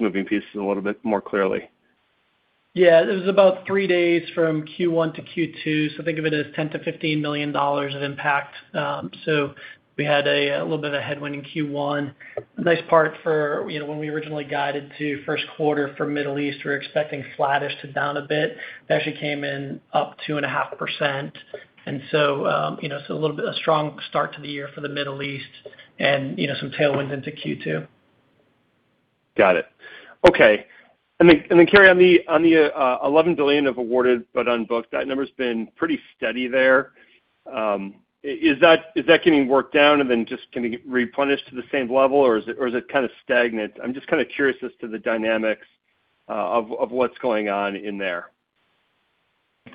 moving pieces a little bit more clearly. Yeah. It was about three days from Q1 to Q2, so think of it as $10 million-$15 million of impact. We had a little bit of headwind in Q1. Nice part for, you know, when we originally guided to Q1 for Middle East we were expecting flattish to down a bit. It actually came in up 2.5%. You know, a little bit a strong start to the year for the Middle East and, you know, some tailwinds into Q2. Got it. Okay. Then Carey, on the $11 billion of awarded but unbooked, that number's been pretty steady there. Is that getting worked down and then just going to get replenished to the same level? or is it kind of stagnant? I'm just kind of curious as to the dynamics of what's going on in there.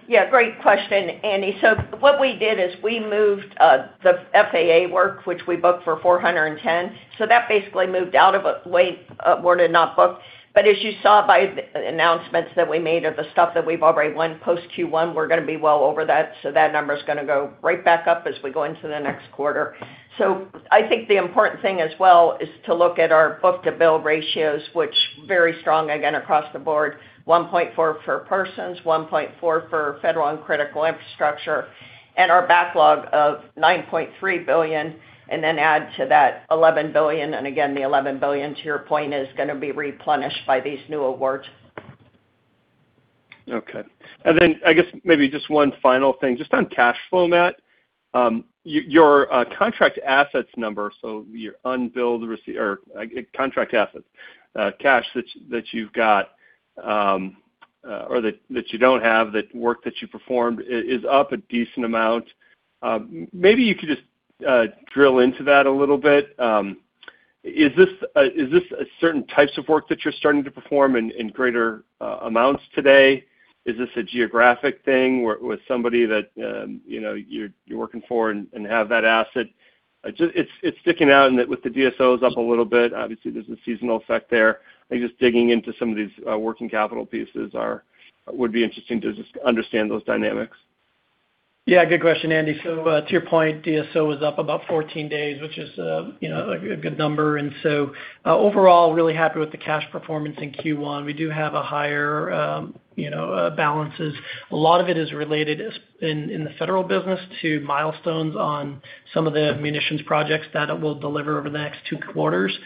Yeah great question Andy what we did is we moved the FAA work, which we booked for $410. That basically moved out of a way, awarded not booked. As you saw by the announcements that we made of the stuff that we've already won post Q1, we're gonna be well over that, that number's gonna go right back up as we go into the next quarter. I think the important thing as well is to look at our book-to-bill ratios, which very strong, again, across the board. 1.4 for Parsons, 1.4 for Federal and Critical Infrastructure, and our backlog of $9.3 billion, and then add to that $11 billion again, the $11 billion, to your point, is gonna be replenished by these new awards. Okay. Then I guess maybe just one final thing just on cash flow Matt. Your contract assets number, so your unbilled contract assets, cash that you've got, or that you don't have that work that you performed is up a decent amount. Maybe you could just drill into that a little bit. Is this a certain types of work that you're starting to perform in greater amounts today? Is this a geographic thing where with somebody that you're working for and have that asset? Just it's sticking out and that with the DSOs up a little bit, obviously there's a seasonal effect there. I think just digging into some of these, working capital pieces would be interesting to just understand those dynamics. Yeah good question Andy to your point, DSO was up about 14 days, which is a good number. Overall, really happy with the cash performance in Q1 we do have a higher balances. A lot of it is related in the federal business to milestones on some of the munitions projects that it will deliver over the next two quarters.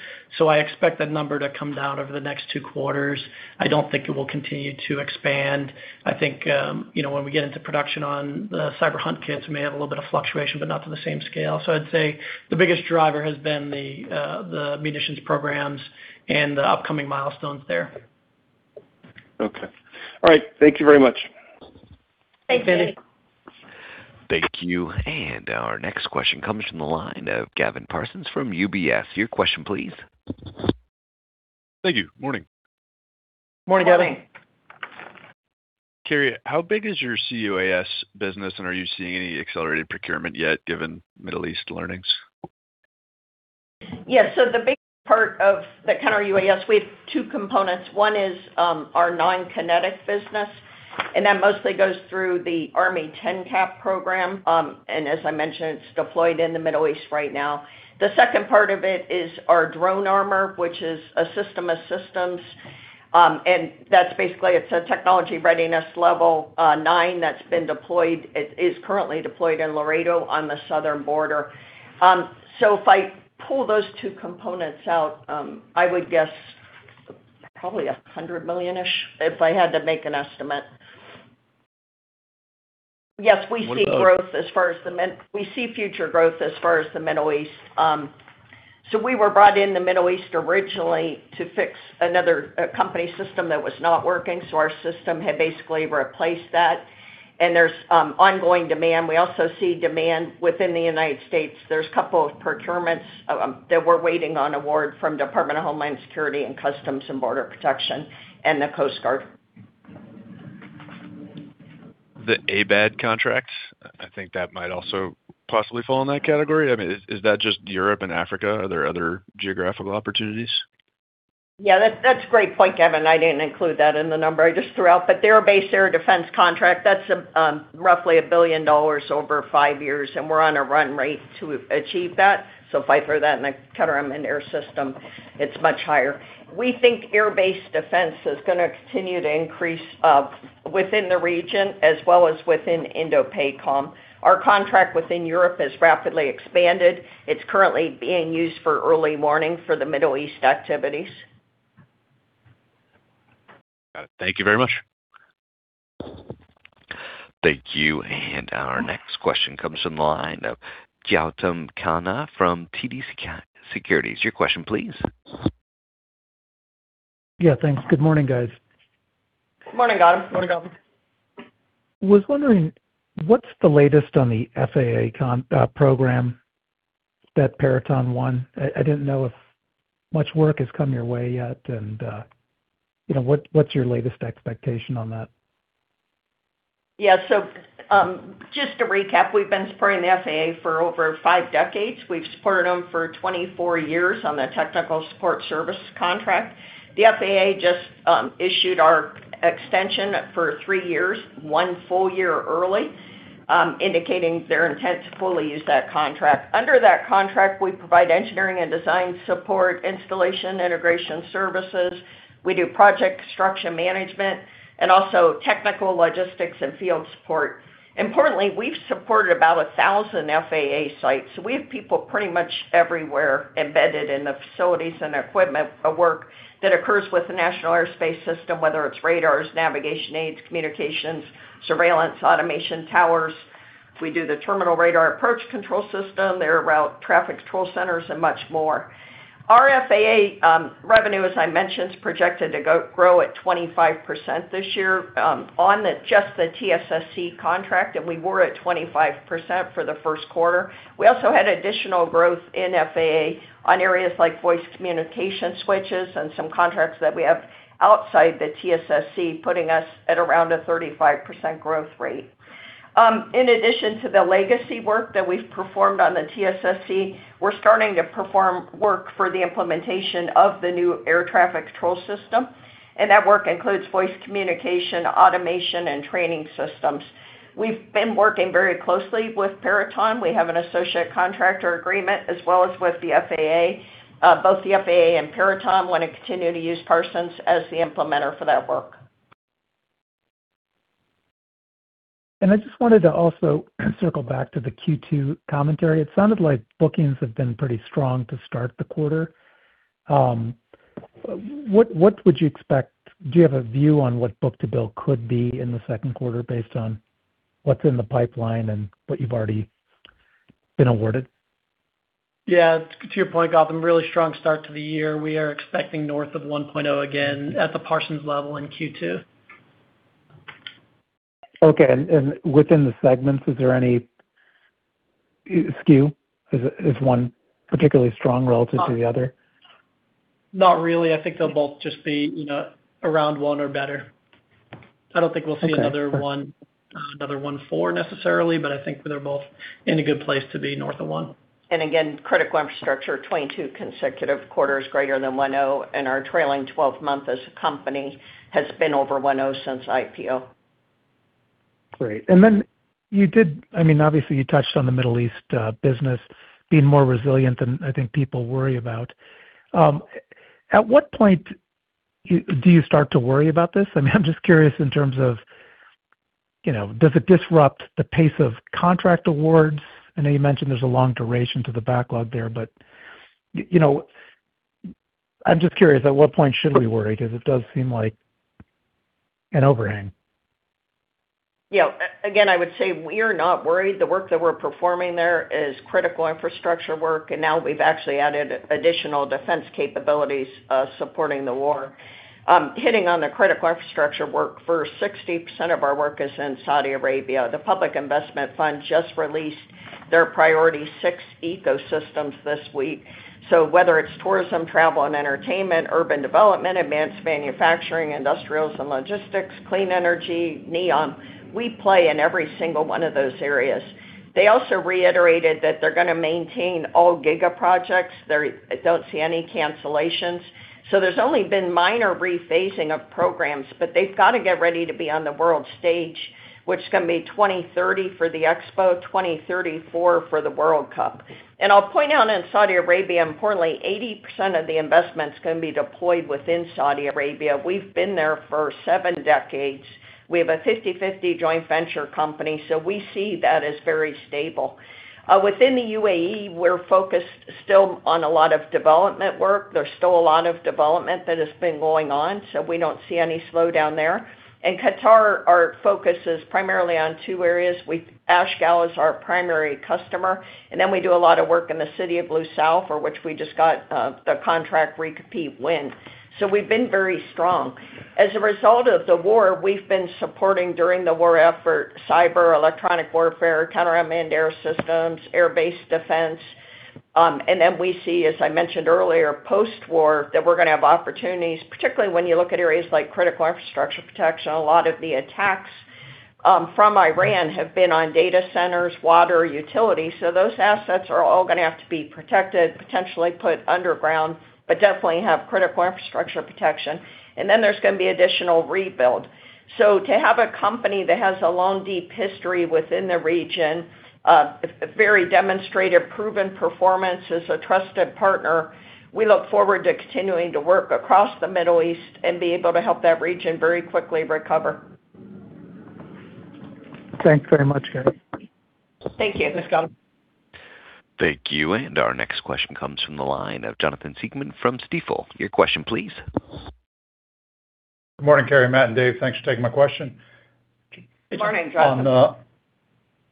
I expect that number to come down over the next two quarters. I don't think it will continue to expand. I think, when we get into production on the Cyber Hunt Kits, we may have a little bit of fluctuation, but not to the same scale i'd say the biggest driver has been the munitions programs and the upcoming milestones there. Okay. All right thank you very much. Thanks Andy. Thank you. Thank you our next question comes from the line of Gavin Parsons from UBS your question, please. Thank you morning. Morning Gavin. Carey how big is your CUAS business, and are you seeing any accelerated procurement yet, given Middle East learnings? Yeah so the big part of the counter CUAS, we have two components one is our non-kinetic business, and that mostly goes through the Army TENCAP program, and as I mentioned, it's deployed in the Middle East right now. The second part of it is our DroneArmor, which is a system of systems. That's basically, it's a technology readiness level nine that's been deployed it is currently deployed in Laredo on the southern border. If I pull those two components out, I would guess probably $100 million-ish if I had to make an estimate. Yes we see future growth as far as the Middle East. We were brought in the Middle East originally to fix another company system that was not working, so our system had basically replaced that. There's ongoing demand we also see demand within the United States there's a couple of procurements that we're waiting on award from Department of Homeland Security and Customs and Border Protection and the Coast Guard. The ABAD contracts, I think that might also possibly fall in that category i mean, is that just Europe and Africa? Are there other geographical opportunities? Yeah that's a great point Gavin i didn't include that in the number I just threw out their Air Base Air Defense contract, that's roughly $1 billion over five years, and we're on a run rate to achieve that. If I throw that in the counter unmanned air system, it's much higher, we think air-base defense is gonna continue to increase within the region as well as within INDOPACOM. Our contract within Europe has rapidly expanded. It's currently being used for early warning for the Middle East activities. Got it thank you very much. Thank you our next question comes from the line of Gautam Khanna from TD Cowen your question please. Yeah thanks good morning guys. Morning Gautam. Morning Gautam. Was wondering what's the latest on the FAA program that Peraton won? I didn't know if much work has come your way yet. You know, what's your latest expectation on that? Just to recap we've been supporting the FAA for over five decades we've supported them for 24 years on the technical support service contract. The FAA just issued our extension for three years, one full year early, indicating their intent to fully use that contract under that contract, we provide engineering and design support, installation, integration services. We do project construction management and also technical logistics and field support. Importantly, we've supported about 1,000 FAA sites we have people pretty much everywhere embedded in the facilities and equipment work that occurs with the National Airspace System, whether it's radars, navigation aids, communications, surveillance, automation towers. We do the terminal radar approach control system, their route traffic control centers, and much more. Our FAA revenue, as I mentioned, is projected to grow at 25% this year on just the TSSC contract we were at 25% for the Q1. We also had additional growth in FAA on areas like voice communication switches and some contracts that we have outside the TSSC, putting us at around a 35% growth rate. In addition to the legacy work that we've performed on the TSSC, we're starting to perform work for the implementation of the new air traffic control system. That work includes voice communication, automation and training systems. We've been working very closely with Peraton we have an associate contractor agreement as well as with the FAA. Both the FAA and Peraton want to continue to use Parsons as the implementer for that work. I just wanted to also circle back to the Q2 commentary it sounded like bookings have been pretty strong to start the quarter. What would you expect? Do you have a view on what book-to-bill could be in the Q2 based on what's in the pipeline and what you've already been awarded? Yeah. To your point Gautam, really strong start to the year we are expecting north of 1.0 again at the Parsons level in Q2. Okay. Within the segments, is there any skew? Is one particularly strong relative to the other? Not really i think they'll both just be, you know, around one or better. I don't think we'll see- Okay sure. -another one for necessarily, but I think they're both in a good place to be north of one. Again, Critical Infrastructure, 22 consecutive quarters greater than 1.0 and our trailing 12 month as a company has been over 1.0 since IPO. Great i mean, obviously, you touched on the Middle East business being more resilient than I think people worry about. At what point do you start to worry about this? I mean, I'm just curious in terms of, you know, does it disrupt the pace of contract awards? I know you mentioned there's a long duration to the backlog there, but, you know, I'm just curious, at what point should we worry? It does seem like an overhang. Again i would say we're not worried the work that we're performing there is Critical Infrastructure work, and now we've actually added additional defense capabilities, supporting the war. Hitting on the Critical Infrastructure work first, 60% of our work is in Saudi Arabia the Public Investment Fund just released their priority six ecosystems this week. Whether it's tourism, travel and entertainment, urban development, advanced manufacturing, industrials and logistics, clean energy, NEOM, we play in every single one of those areas. They also reiterated that they're gonna maintain all giga projects they don't see any cancellations. There's only been minor rephasing of programs, but they've got to get ready to be on the world stage, which is going to be 2030 for the Expo 2034 for the World Cup. I'll point out in Saudi Arabia, importantly, 80% of the investment is going to be deployed within Saudi Arabia we've been there for seven decades. We have a 50/50 joint venture company, so we see that as very stable. Within the UAE, we're focused still on a lot of development work there's still a lot of development that has been going on, so we don't see any slowdown there. In Qatar, our focus is primarily on two areas Ashghal is our primary customer, and then we do a lot of work in the city of Lusail, for which we just got the contract recompete win. We've been very strong. As a result of the war, we've been supporting during the war effort, cyber, electronic warfare, counter unmanned air systems, Air Base Air Defense. We see as I mentioned earlier, post-war that we're going to have opportunities, particularly when you look at areas like Critical Infrastructure protection a lot of the attacks from Iran have been on data centers, water, utility so those assets are all going to have to be protected, potentially put underground, but definitely have Critical Infrastructure protection. There's going to be additional rebuild. To have a company that has a long, deep history within the region, a very demonstrative proven performance as a trusted partner, we look forward to continuing to work across the Middle East and be able to help that region very quickly recover. Thanks very much Carey. Thank you Mr. Gautam. Thank you our next question comes from the line of Jonathan Siegmann from Stifel your question please. Good morning Carey, Matt, and Dave thanks for taking my question. Good morning Jonathan.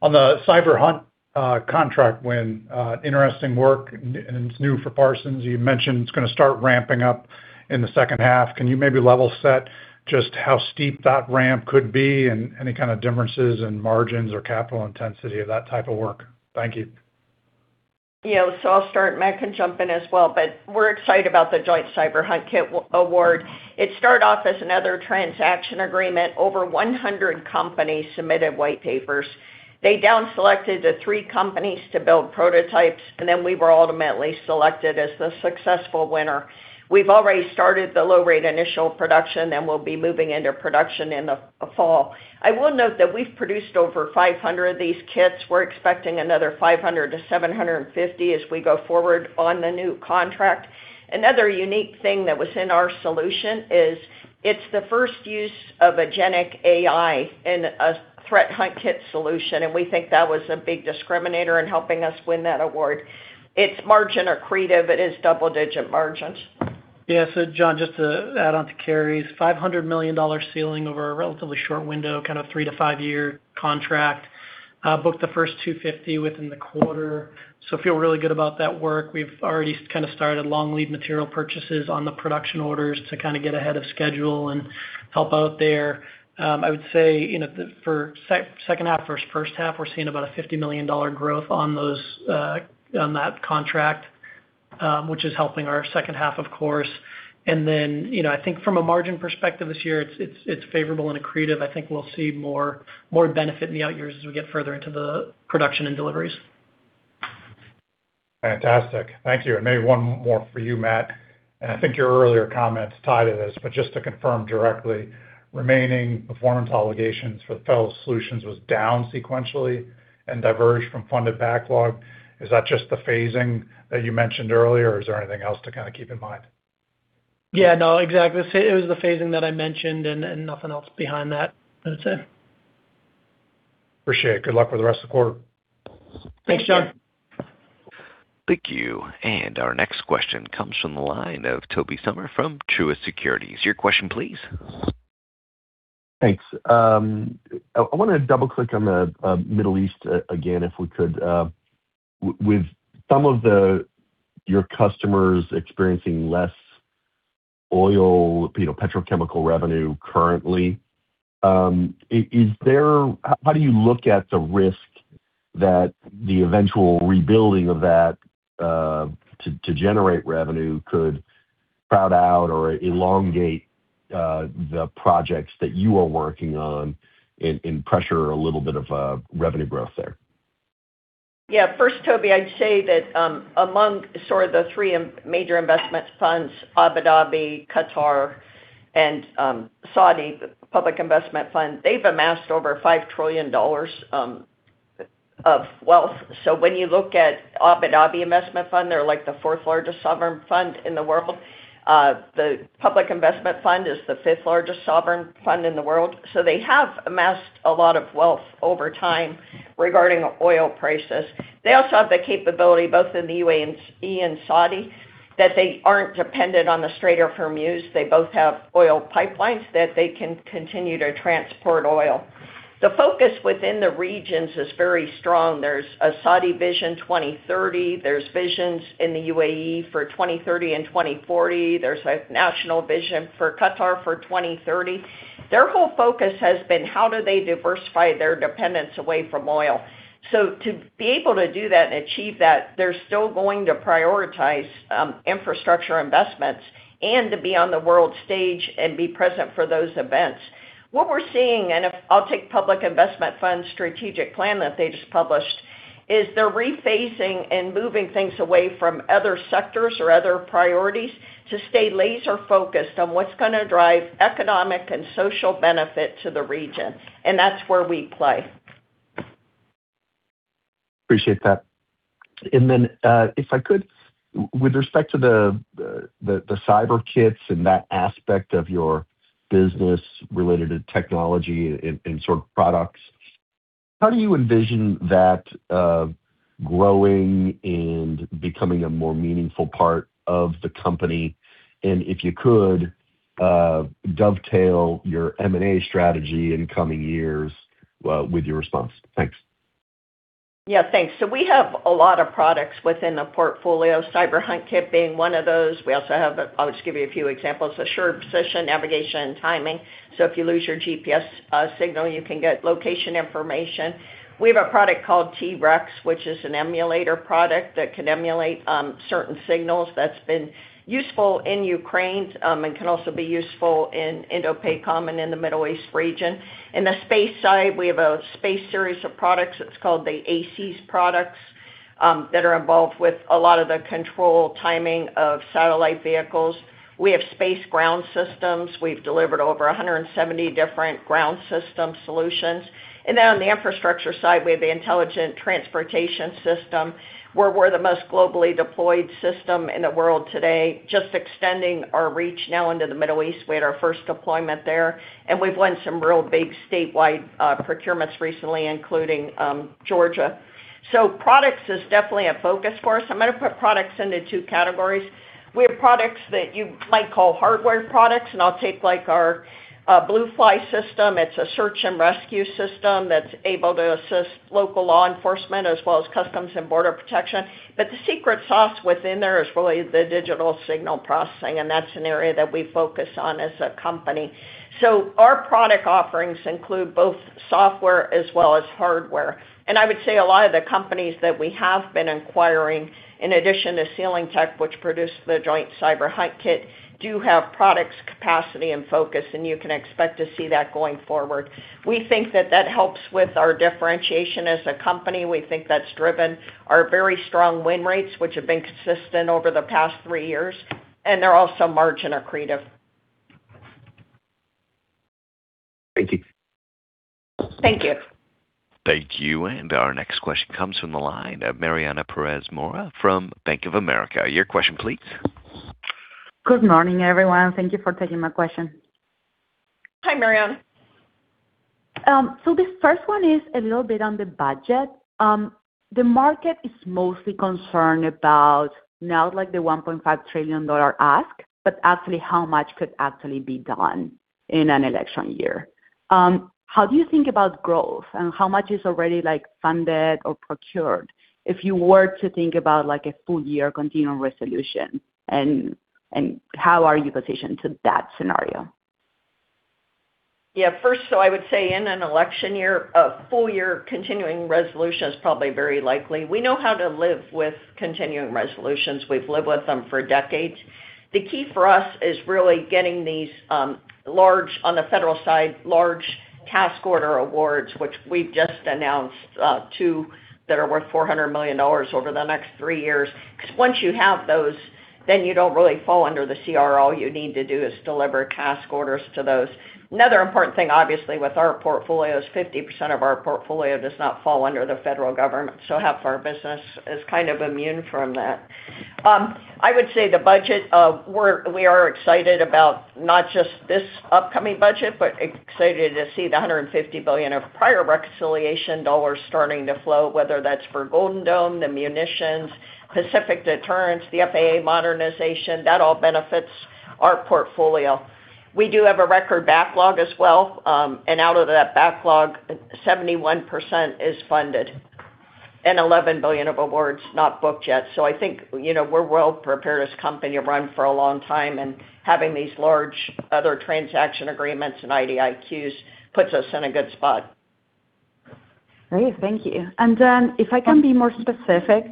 On the cyber hunt contract win, interesting work, and it's new for Parsons you mentioned it's going to start ramping up in the second half. Can you maybe level set just how steep that ramp could be and any kind of differences in margins or capital intensity of that type of work? Thank you. Yeah i'll start Matt can jump in as well we're excited about the Joint Cyber Hunt Kit award. It started off as another transaction agreement over 100 companies submitted white papers. They down selected the three companies to build prototypes, we were ultimately selected as the successful winner. We've already started the low rate initial production, we'll be moving into production in the fall. I will note that we've produced over 500 of these kits we're expecting another 500-750 as we go forward on the new contract. Another unique thing that was in our solution is it's the first use of a generic AI in a threat hunt kit solution, we think that was a big discriminator in helping us win that award. It's margin accretive it is double-digit margins. Yeah Jon just to add on to Carey's $500 million ceiling over a relatively short window, kind of three to five year contract. Booked the first $250 million within the quarter. Feel really good about that work we've already kind of started long lead material purchases on the production orders to kind of get ahead of schedule and help out there. I would say, you know, for second half versus first half, we're seeing about a $50 million growth on those on that contract, which is helping our second half, of course. I think from a margin perspective this year, it's favorable and accretive i think we'll see more benefit in the out years as we get further into the production and deliveries. Fantastic. Thank you maybe one more for you Matt, and I think your earlier comments tie to this, but just to confirm directly, remaining performance obligations for the federal solutions was down sequentially and diverged from funded backlog. Is that just the phasing that you mentioned earlier? or is there anything else to kind of keep in mind? Yeah no exactly it was the phasing that I mentioned and nothing else behind that. That's it. Appreciate it. Good luck with the rest of the quarter. Thanks Jon. Thanks. Thank you our next question comes from the line of Tobey Sommer from Truist Securities your question please. Thanks. I wanna double-click on the Middle East again, if we could, with some of your customers experiencing less oil, you know, petrochemical revenue currently, how do you look at the risk? that the eventual rebuilding of that to generate revenue could crowd out or elongate the projects that you are working on and pressure a little bit of revenue growth there? First Tobey i'd say that among sort of the three major investment funds, Abu Dhabi, Qatar, and Saudi Public Investment Fund, they've amassed over $5 trillion of wealth, when you look at Abu Dhabi Investment Fund, they're like the 4th largest sovereign fund in the world. The Public Investment Fund is the 5th largest sovereign fund in the world. They have amassed a lot of wealth over time regarding oil prices. They also have the capability, both in the UAE and Saudi, that they aren't dependent on the Strait of Hormuz they both have oil pipelines that they can continue to transport oil. The focus within the regions is very strong there's a Saudi Vision 2030 there's visions in the UAE for 2030 and 2040, there's a national vision for Qatar for 2030. Their whole focus has been how do they diversify their dependence away from oil. To be able to do that and achieve that, they're still going to prioritize infrastructure investments and to be on the world stage and be present for those events. What we're seeing, and I'll take Public Investment Fund strategic plan that they just published, is they're rephasing and moving things away from other sectors or other priorities to stay laser focused on what's gonna drive economic and social benefit to the region, and that's where we play. Appreciate that. If I could, with respect to the cyber kits and that aspect of your business related to technology and sort of products, how do you envision that growing and becoming a more meaningful part of the company? If you could dovetail your M&A strategy in coming years with your response thanks. Yeah thanks we have a lot of products within the portfolio, Cyber Hunt Kit being one of those we also have, I'll just give you a few examples, assured position, navigation, and timing. If you lose your GPS signal, you can get location information. We have a product called TReX, which is an emulator product that can emulate certain signals that's been useful in Ukraine and can also be useful in INDOPACOM and in the Middle East region. In the space side, we have a space series of products it's called the ACES products that are involved with a lot of the control timing of satellite vehicles. We have space ground systems, we've delivered over 170 different ground system solutions. On the infrastructure side, we have the intelligent transportation system, where we're the most globally deployed system in the world today, just extending our reach now into the Middle East we had our first deployment there, and we've won some real big statewide procurements recently, including Georgia. Products is definitely a focus for us im gonna put products into two categories. We have products that you might call hardware products, and I'll take, like, our BlueFly system it's a search and rescue system that's able to assist local law enforcement as well as Customs and Border Protection. The secret sauce within there is really the digital signal processing, and that's an area that we focus on as a company so, our product offerings include both software as well as hardware. I would say a lot of the companies that we have been acquiring, in addition to Chesapeake Technology International, which produced the Joint Cyber Hunt Kit, do have products capacity and focus, and you can expect to see that going forward. We think that that helps with our differentiation as a company we think that's driven our very strong win rates, which have been consistent over the past three years, and they're also margin accretive. Thank you. Thank you. Thank you our next question comes from the line of Mariana Perez Mora from Bank of America your question please. Good morning everyone thank you for taking my question. Hi Mariana. The first one is a little bit on the budget. The market is mostly concerned about not like the $1.5 trillion ask, but actually how much could actually be done in an election year. How do you think about growth? and how much is already like funded? or procured? if you were to think about like a full year continuing resolution and how are you positioned to that scenario? First i would say in an election year, a full year CR is probably very likely we know how to live with CR we've lived with them for decades. The key for us is really getting these, large on the federal side, large task order awards, which we've just announced, two that are worth $400 million over the next three years. Cause once you have those, then you don't really fall under the CR all you need to do is deliver task orders to those. Another important thing, obviously, with our portfolio is 50% of our portfolio does not fall under the federal government, half our business is kind of immune from that. I would say the budget, we are excited about not just this upcoming budget, but excited to see the $150 billion of prior reconciliation dollars starting to flow, whether that's for Golden Dome, the munitions, Pacific Deterrence, the FAA modernization, that all benefits our portfolio. We do have a record backlog as well, and out of that backlog, 71% is funded and $11 billion of awards not booked yet i think, you know, we're well prepared as a company to run for a long time, and having these large other transaction agreements and IDIQs puts us in a good spot. Great thank you and then, if I can be more specific,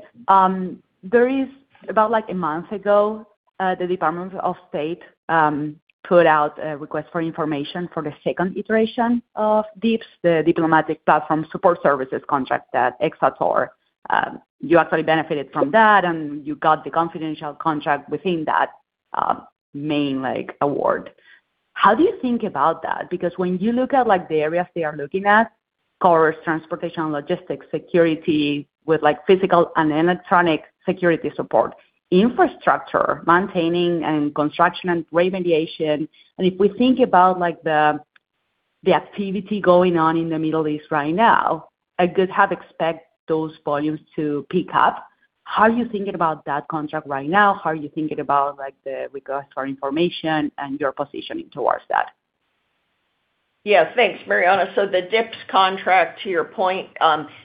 there is about, like months ago, the Department of State put out a request for information for the second iteration of DPSS, the Diplomatic Platform Support Services contract at Xator. You actually benefited from that, you got the confidential contract within that main like award. How do you think about that? When you look at like the areas they are looking at, cars, transportation, logistics, security with like physical and electronic security support, infrastructure, maintaining and construction and remediation. If we think about like the activity going on in the Middle East right now, I could have expect those volumes to pick up. How are you thinking about that contract right now? How are you thinking about like the request for information and your positioning towards that? Yes thanks Mariana the DPSS contract, to your point,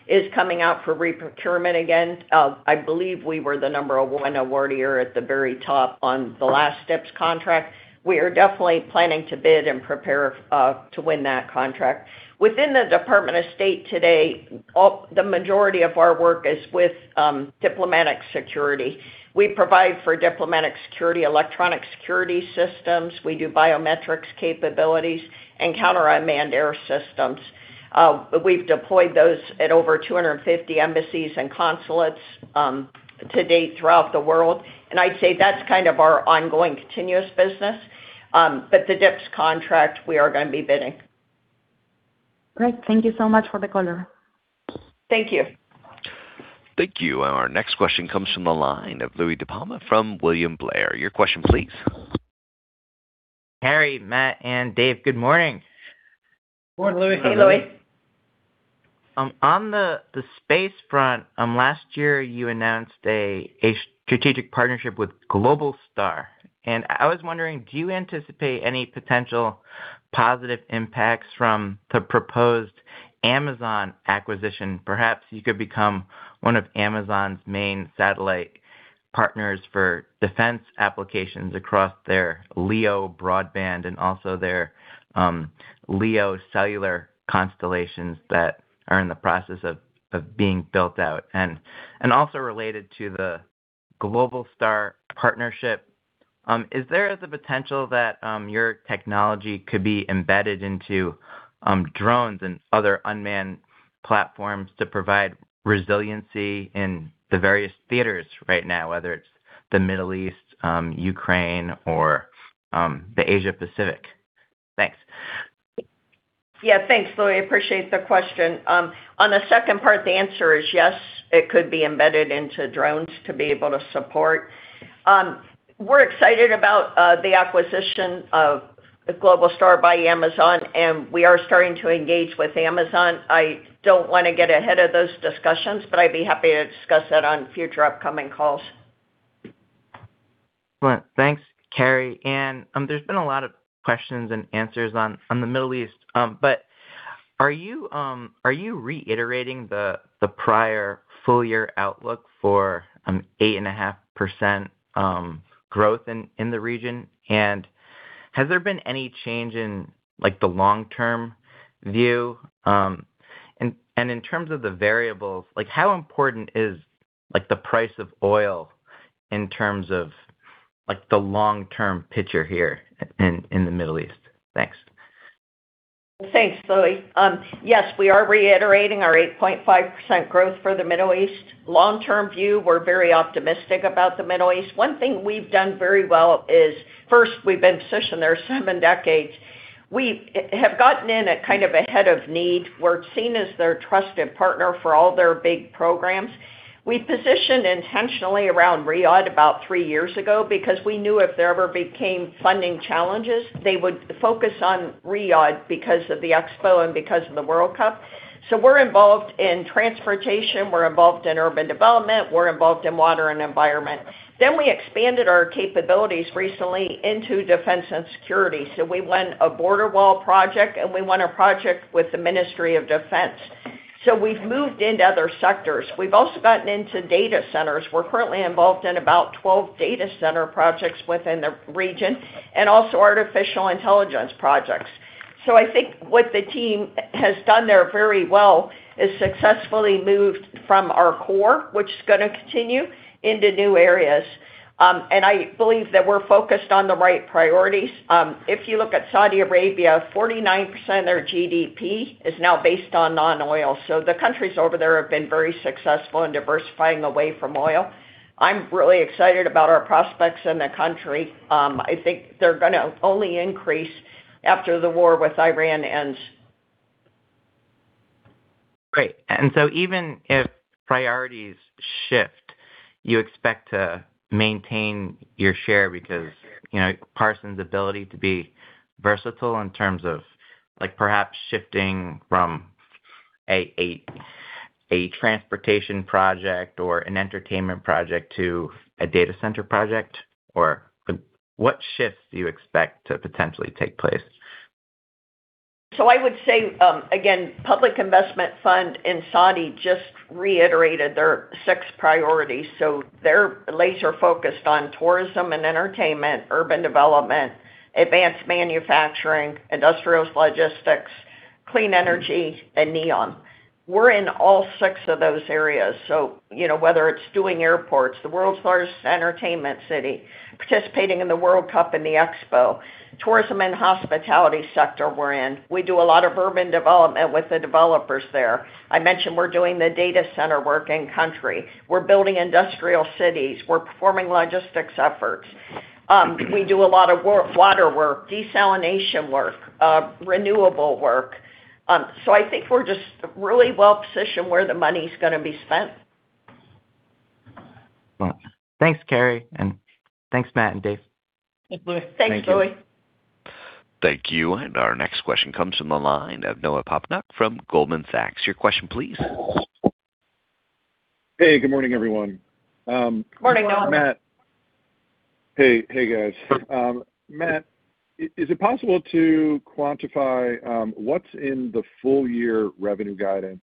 is coming out for re-procurement again. I believe we were the number one awardee or at the very top on the last DPSS contract. We are definitely planning to bid and prepare to win that contract. Within the Department of State today, the majority of our work is with Diplomatic Security. We provide for Diplomatic Security, electronic security systems, we do biometrics capabilities and counter-unmanned aircraft systems. We've deployed those at over 250 embassies and consulates to date throughout the world and i'd say that's kind of our ongoing continuous business. The DPSS contract, we are gonna be bidding. Great thank you so much for the color. Thank you. Thank you our next question comes from the line of Louie DiPalma from William Blair your question please. Carey, Matt, and Dave, good morning. Good morning Louie. Hey Louie. On the space front, last year you announced a strategic partnership with Globalstar, and I was wondering, do you anticipate any potential? positive impacts from the proposed Amazon acquisition? perhaps you could become one of Amazon's main satellite partners for defense applications across their LEO broadband and also their LEO cellular constellations that are in the process of being built out. Also related to the Globalstar partnership, is there the potential that your technology could be embedded into drones and other unmanned platforms to provide resiliency in the various theaters right now, whether it's the Middle East, Ukraine or the Asia Pacific? Thanks. Thanks Louie appreciate the question. On the second part, the answer is yes, it could be embedded into drones to be able to support. We're excited about the acquisition of Globalstar by Amazon and we are starting to engage with Amazon, i don't wanna get ahead of those discussions i'd be happy to discuss that on future upcoming calls. Well, thanks Carey and, there's been a lot of questions and answers on the Middle East. Are you reiterating the prior full year outlook for 8.5% growth in the region? Has there been any change in like the long-term view? In terms of the variables, like how important is? like the price of oil in terms of like the long-term picture here in the Middle East? Thanks. Thanks Louie. Yes we are reiterating our 8.5% growth for the Middle East. Long-term view, we're very optimistic about the Middle East one thing we've done very well is, first, we've been positioned there seven decades. We have gotten in at kind of ahead of need we're seen as their trusted partner for all their big programs. We positioned intentionally around Riyadh about three years ago because we knew if there ever became funding challenges, they would focus on Riyadh because of the Expo and because of the World Cup. We're involved in transportation, we're involved in urban development, we're involved in water and environment. We expanded our capabilities recently into defense and security, we won a border wall project, and we won a project with the Ministry of Defense. We've moved into other sectors. We've also gotten into data centers we're currently involved in about 12 data center projects within the region, and also artificial intelligence projects, so i think what the team has done there very well is successfully moved from our core, which is gonna continue into new areas. I believe that we're focused on the right priorities. If you look at Saudi Arabia, 49% of their GDP is now based on non-oil the countries over there have been very successful in diversifying away from oil. I'm really excited about our prospects in the country. I think they're gonna only increase after the war with Iran ends. Great. Even if priorities shift, you expect to maintain your share because, you know, Parsons' ability to be versatile in terms of like perhaps shifting from a transportation project? or an entertainment project to a data center project? or what shifts do you expect to potentially take place? I would say, again, Public Investment Fund in Saudi just reiterated their six priorities so, they're laser-focused on tourism and entertainment, urban development, advanced manufacturing, industrials, logistics, clean energy, and NEOM. We're in all six of those areas so, you know, whether it's doing airports, the world's largest entertainment city, participating in the World Cup and the Expo, tourism and hospitality sector we're in. We do a lot of urban development with the developers there. I mentioned we're doing the data center work in country. We're building industrial cities, we're performing logistics efforts. We do a lot of water work, desalination work, renewable work. I think we're just really well-positioned where the money's gonna be spent. Well, thanks Carey, and thanks, Matt and Dave. Thanks Louie. Thank you our next question comes from the line of Noah Poponak from Goldman Sachs your question please. Hey good morning everyone. Morning Noah. Matt. Hey, hey guys. Matt, is it possible to quantify, what's in the full year revenue guidance?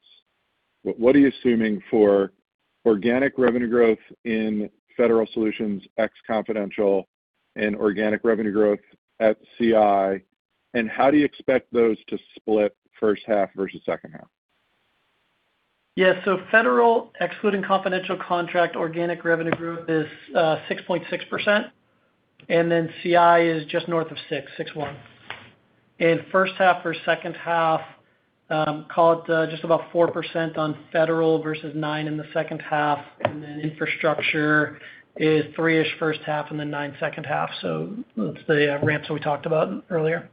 What are you assuming for organic revenue growth in Federal Solutions, ex-confidential and organic revenue growth at CI? How do you expect those to split first half versus second half? Yeah Federal, excluding confidential contract organic revenue growth is 6.6%, and then CI is just north of 6.61%. In first half or second half, call it just about 4% on federal versus 9% in the second half, and then infrastructure is 3%-ish first half and then 9% second half so, let's say ramps that we talked about earlier.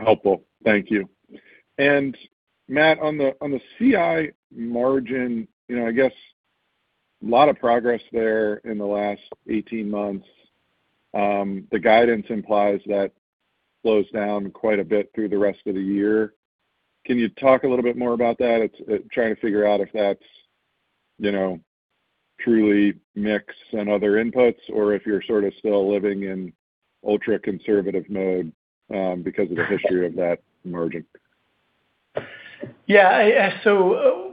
Helpful. Thank you and, Matt on the, on the CI margin, you know, I guess a lot of progress there in the last 18 months. The guidance implies that slows down quite a bit through the rest of the year. Can you talk a little bit more about that? It's, trying to figure out if that's, you know, truly mix and other inputs or if you're sort of still living in ultra-conservative mode, because of the history of that margin. Yeah.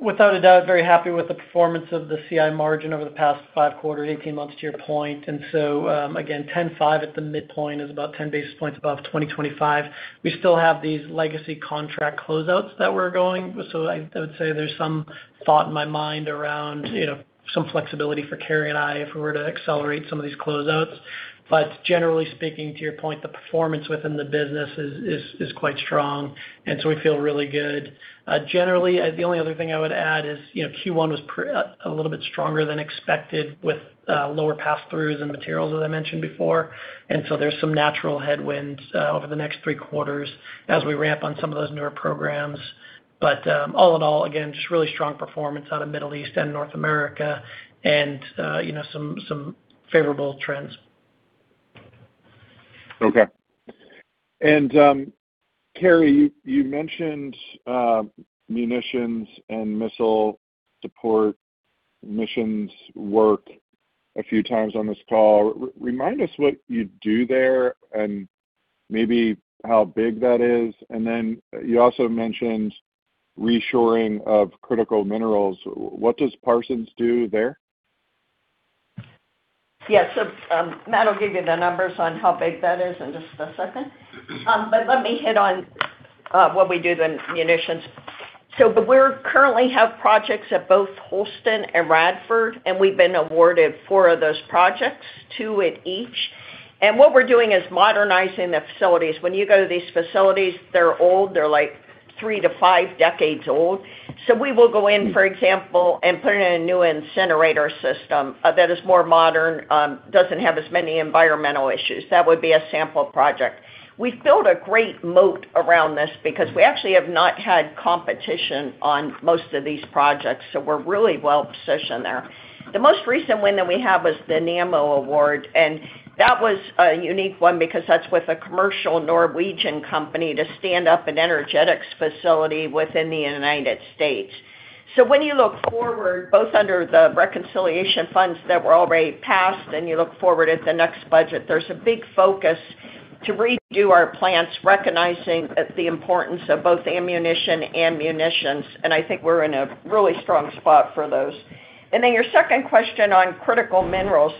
Without a doubt very happy with the performance of the CI margin over the past five quarters, 18 months to your point and so again, 10.5% at the midpoint is about 10 basis points above 2025. We still have these legacy contract closeouts that we're going i would say there's some thought in my mind around, you know, some flexibility for Carey and I if we were to accelerate some of these closeouts. Generally speaking, to your point, the performance within the business is quite strong, we feel really good. Generally, the only other thing I would add is, you know, Q1 was a little bit stronger than expected with lower passthroughs and materials, as I mentioned before. There's some natural headwinds over the next three quarters as we ramp on some of those newer programs. All in all, again, just really strong performance out of Middle East and North America and, you know, some favorable trends. Okay. Carey, you mentioned munitions and missile support missions work a few times on this call remind us what you do there? and maybe how big that is, and then you also mentioned reshoring of critical minerals, what does Parsons do there? Matt will give you the numbers on how big that is in just a second. Let me hit on what we do the munitions. We're currently have projects at both Holston and Radford, and we've been awarded four of those projects, two at each. What we're doing is modernizing the facilities when you go to these facilities, they're old, they're like three to five decades old. We will go in, for example, and put in a new incinerator system that is more modern, doesn't have as many environmental issues, that would be a sample project. We've built a great moat around this because we actually have not had competition on most of these projects, we're really well-positioned there. The most recent win that we have was the Nammo award, and that was a unique one because that's with a commercial Norwegian company to stand up an energetics facility within the United States. When you look forward, both under the reconciliation funds that were already passed and you look forward at the next budget, there's a big focus to redo our plants, recognizing the importance of both ammunition and munitions, and i think we're in a really strong spot for those. Your second question on critical minerals.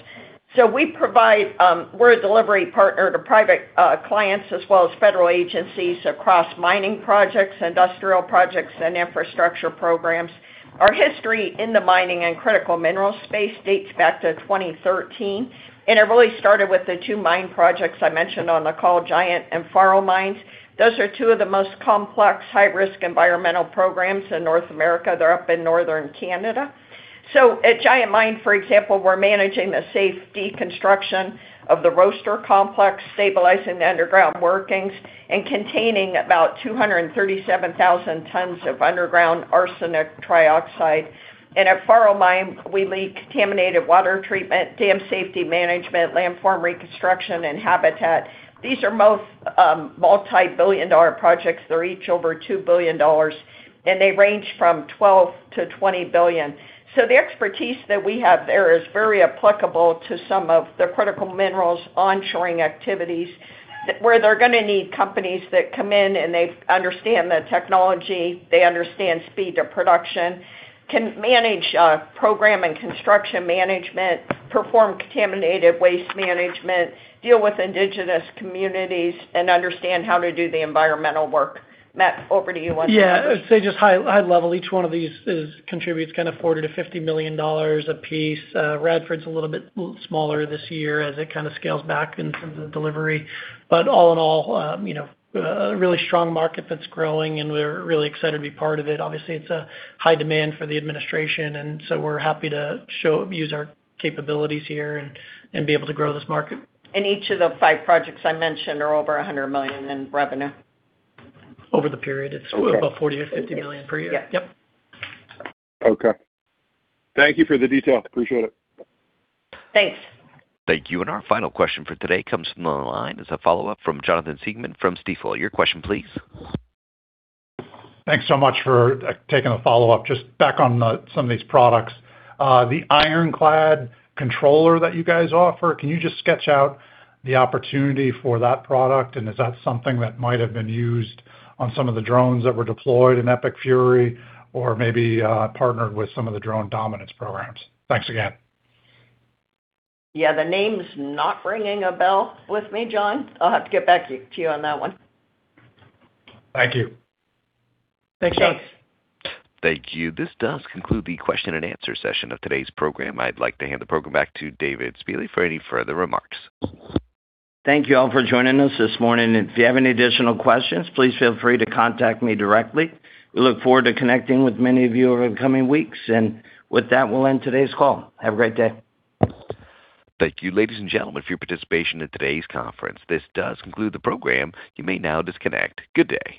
We provide, we're a delivery partner to private clients as well as federal agencies across mining projects, industrial projects, and infrastructure programs. Our history in the mining and critical minerals space dates back to 2013, and it really started with the two mine projects I mentioned on the call, Giant and Faro mines. Those are two of the most complex high-risk environmental programs in North America they're up in Northern Canada. At Giant Mine, for example, we're managing the safe deconstruction of the roaster complex, stabilizing the underground workings, and containing about 237,000 tons of underground arsenic trioxide. At Faro Mine, we lead contaminated water treatment, dam safety management, landform reconstruction, and habitat. These are both multi-billion-dollar projects they're each over $2 billion, and they range from $12 billion-$20 billion. The expertise that we have there is very applicable to some of the critical minerals onshoring activities where they're gonna need companies that come in and they understand the technology, they understand speed of production, can manage program and construction management, perform contaminated waste management, deal with indigenous communities, and understand how to do the environmental work. Matt over to you on that. Yeah i'd say just high, high level, each one of these contributes kind of $40 million-$50 million apiece. Radford's a little bit smaller this year as it kind of scales back in terms of delivery. All in all, you know, a really strong market that's growing, and we're really excited to be part of it obviously, it's a high demand for the administration, we're happy to use our capabilities here and be able to grow this market. Each of the five projects I mentioned are over $100 million in revenue. Over the period. Okay. It's about $40 million or $50 million per year. Yes. Yep. Okay. Thank you for the detail appreciate it. Thanks. Thank you our final question for today comes from the line as a follow-up from Jonathan Siegmann from Stifel your question please. Thanks so much for taking the follow-up just back on some of these products. The IronClad controller that you guys offer, can you just sketch out the opportunity for that product? Is that something that might have been used on some of the drones that were deployed in Epic Fury or maybe partnered with some of the Drone Dominance programs? Thanks again. Yeah the name's not ringing a bell with me Jon. I'll have to get back to you on that one. Thank you. Thanks Jon. Thank you this does conclude the question and answer session of today's program i'd like to hand the program back to David Spille for any further remarks. Thank you all for joining us this morning, and if you have any additional questions, please feel free to contact me directly. We look forward to connecting with many of you over the coming weeks and, with that, we'll end today's call. Have a great day. Thank you, ladies and gentlemen, for your participation in today's conference this does conclude the program. You may now disconnect, good day.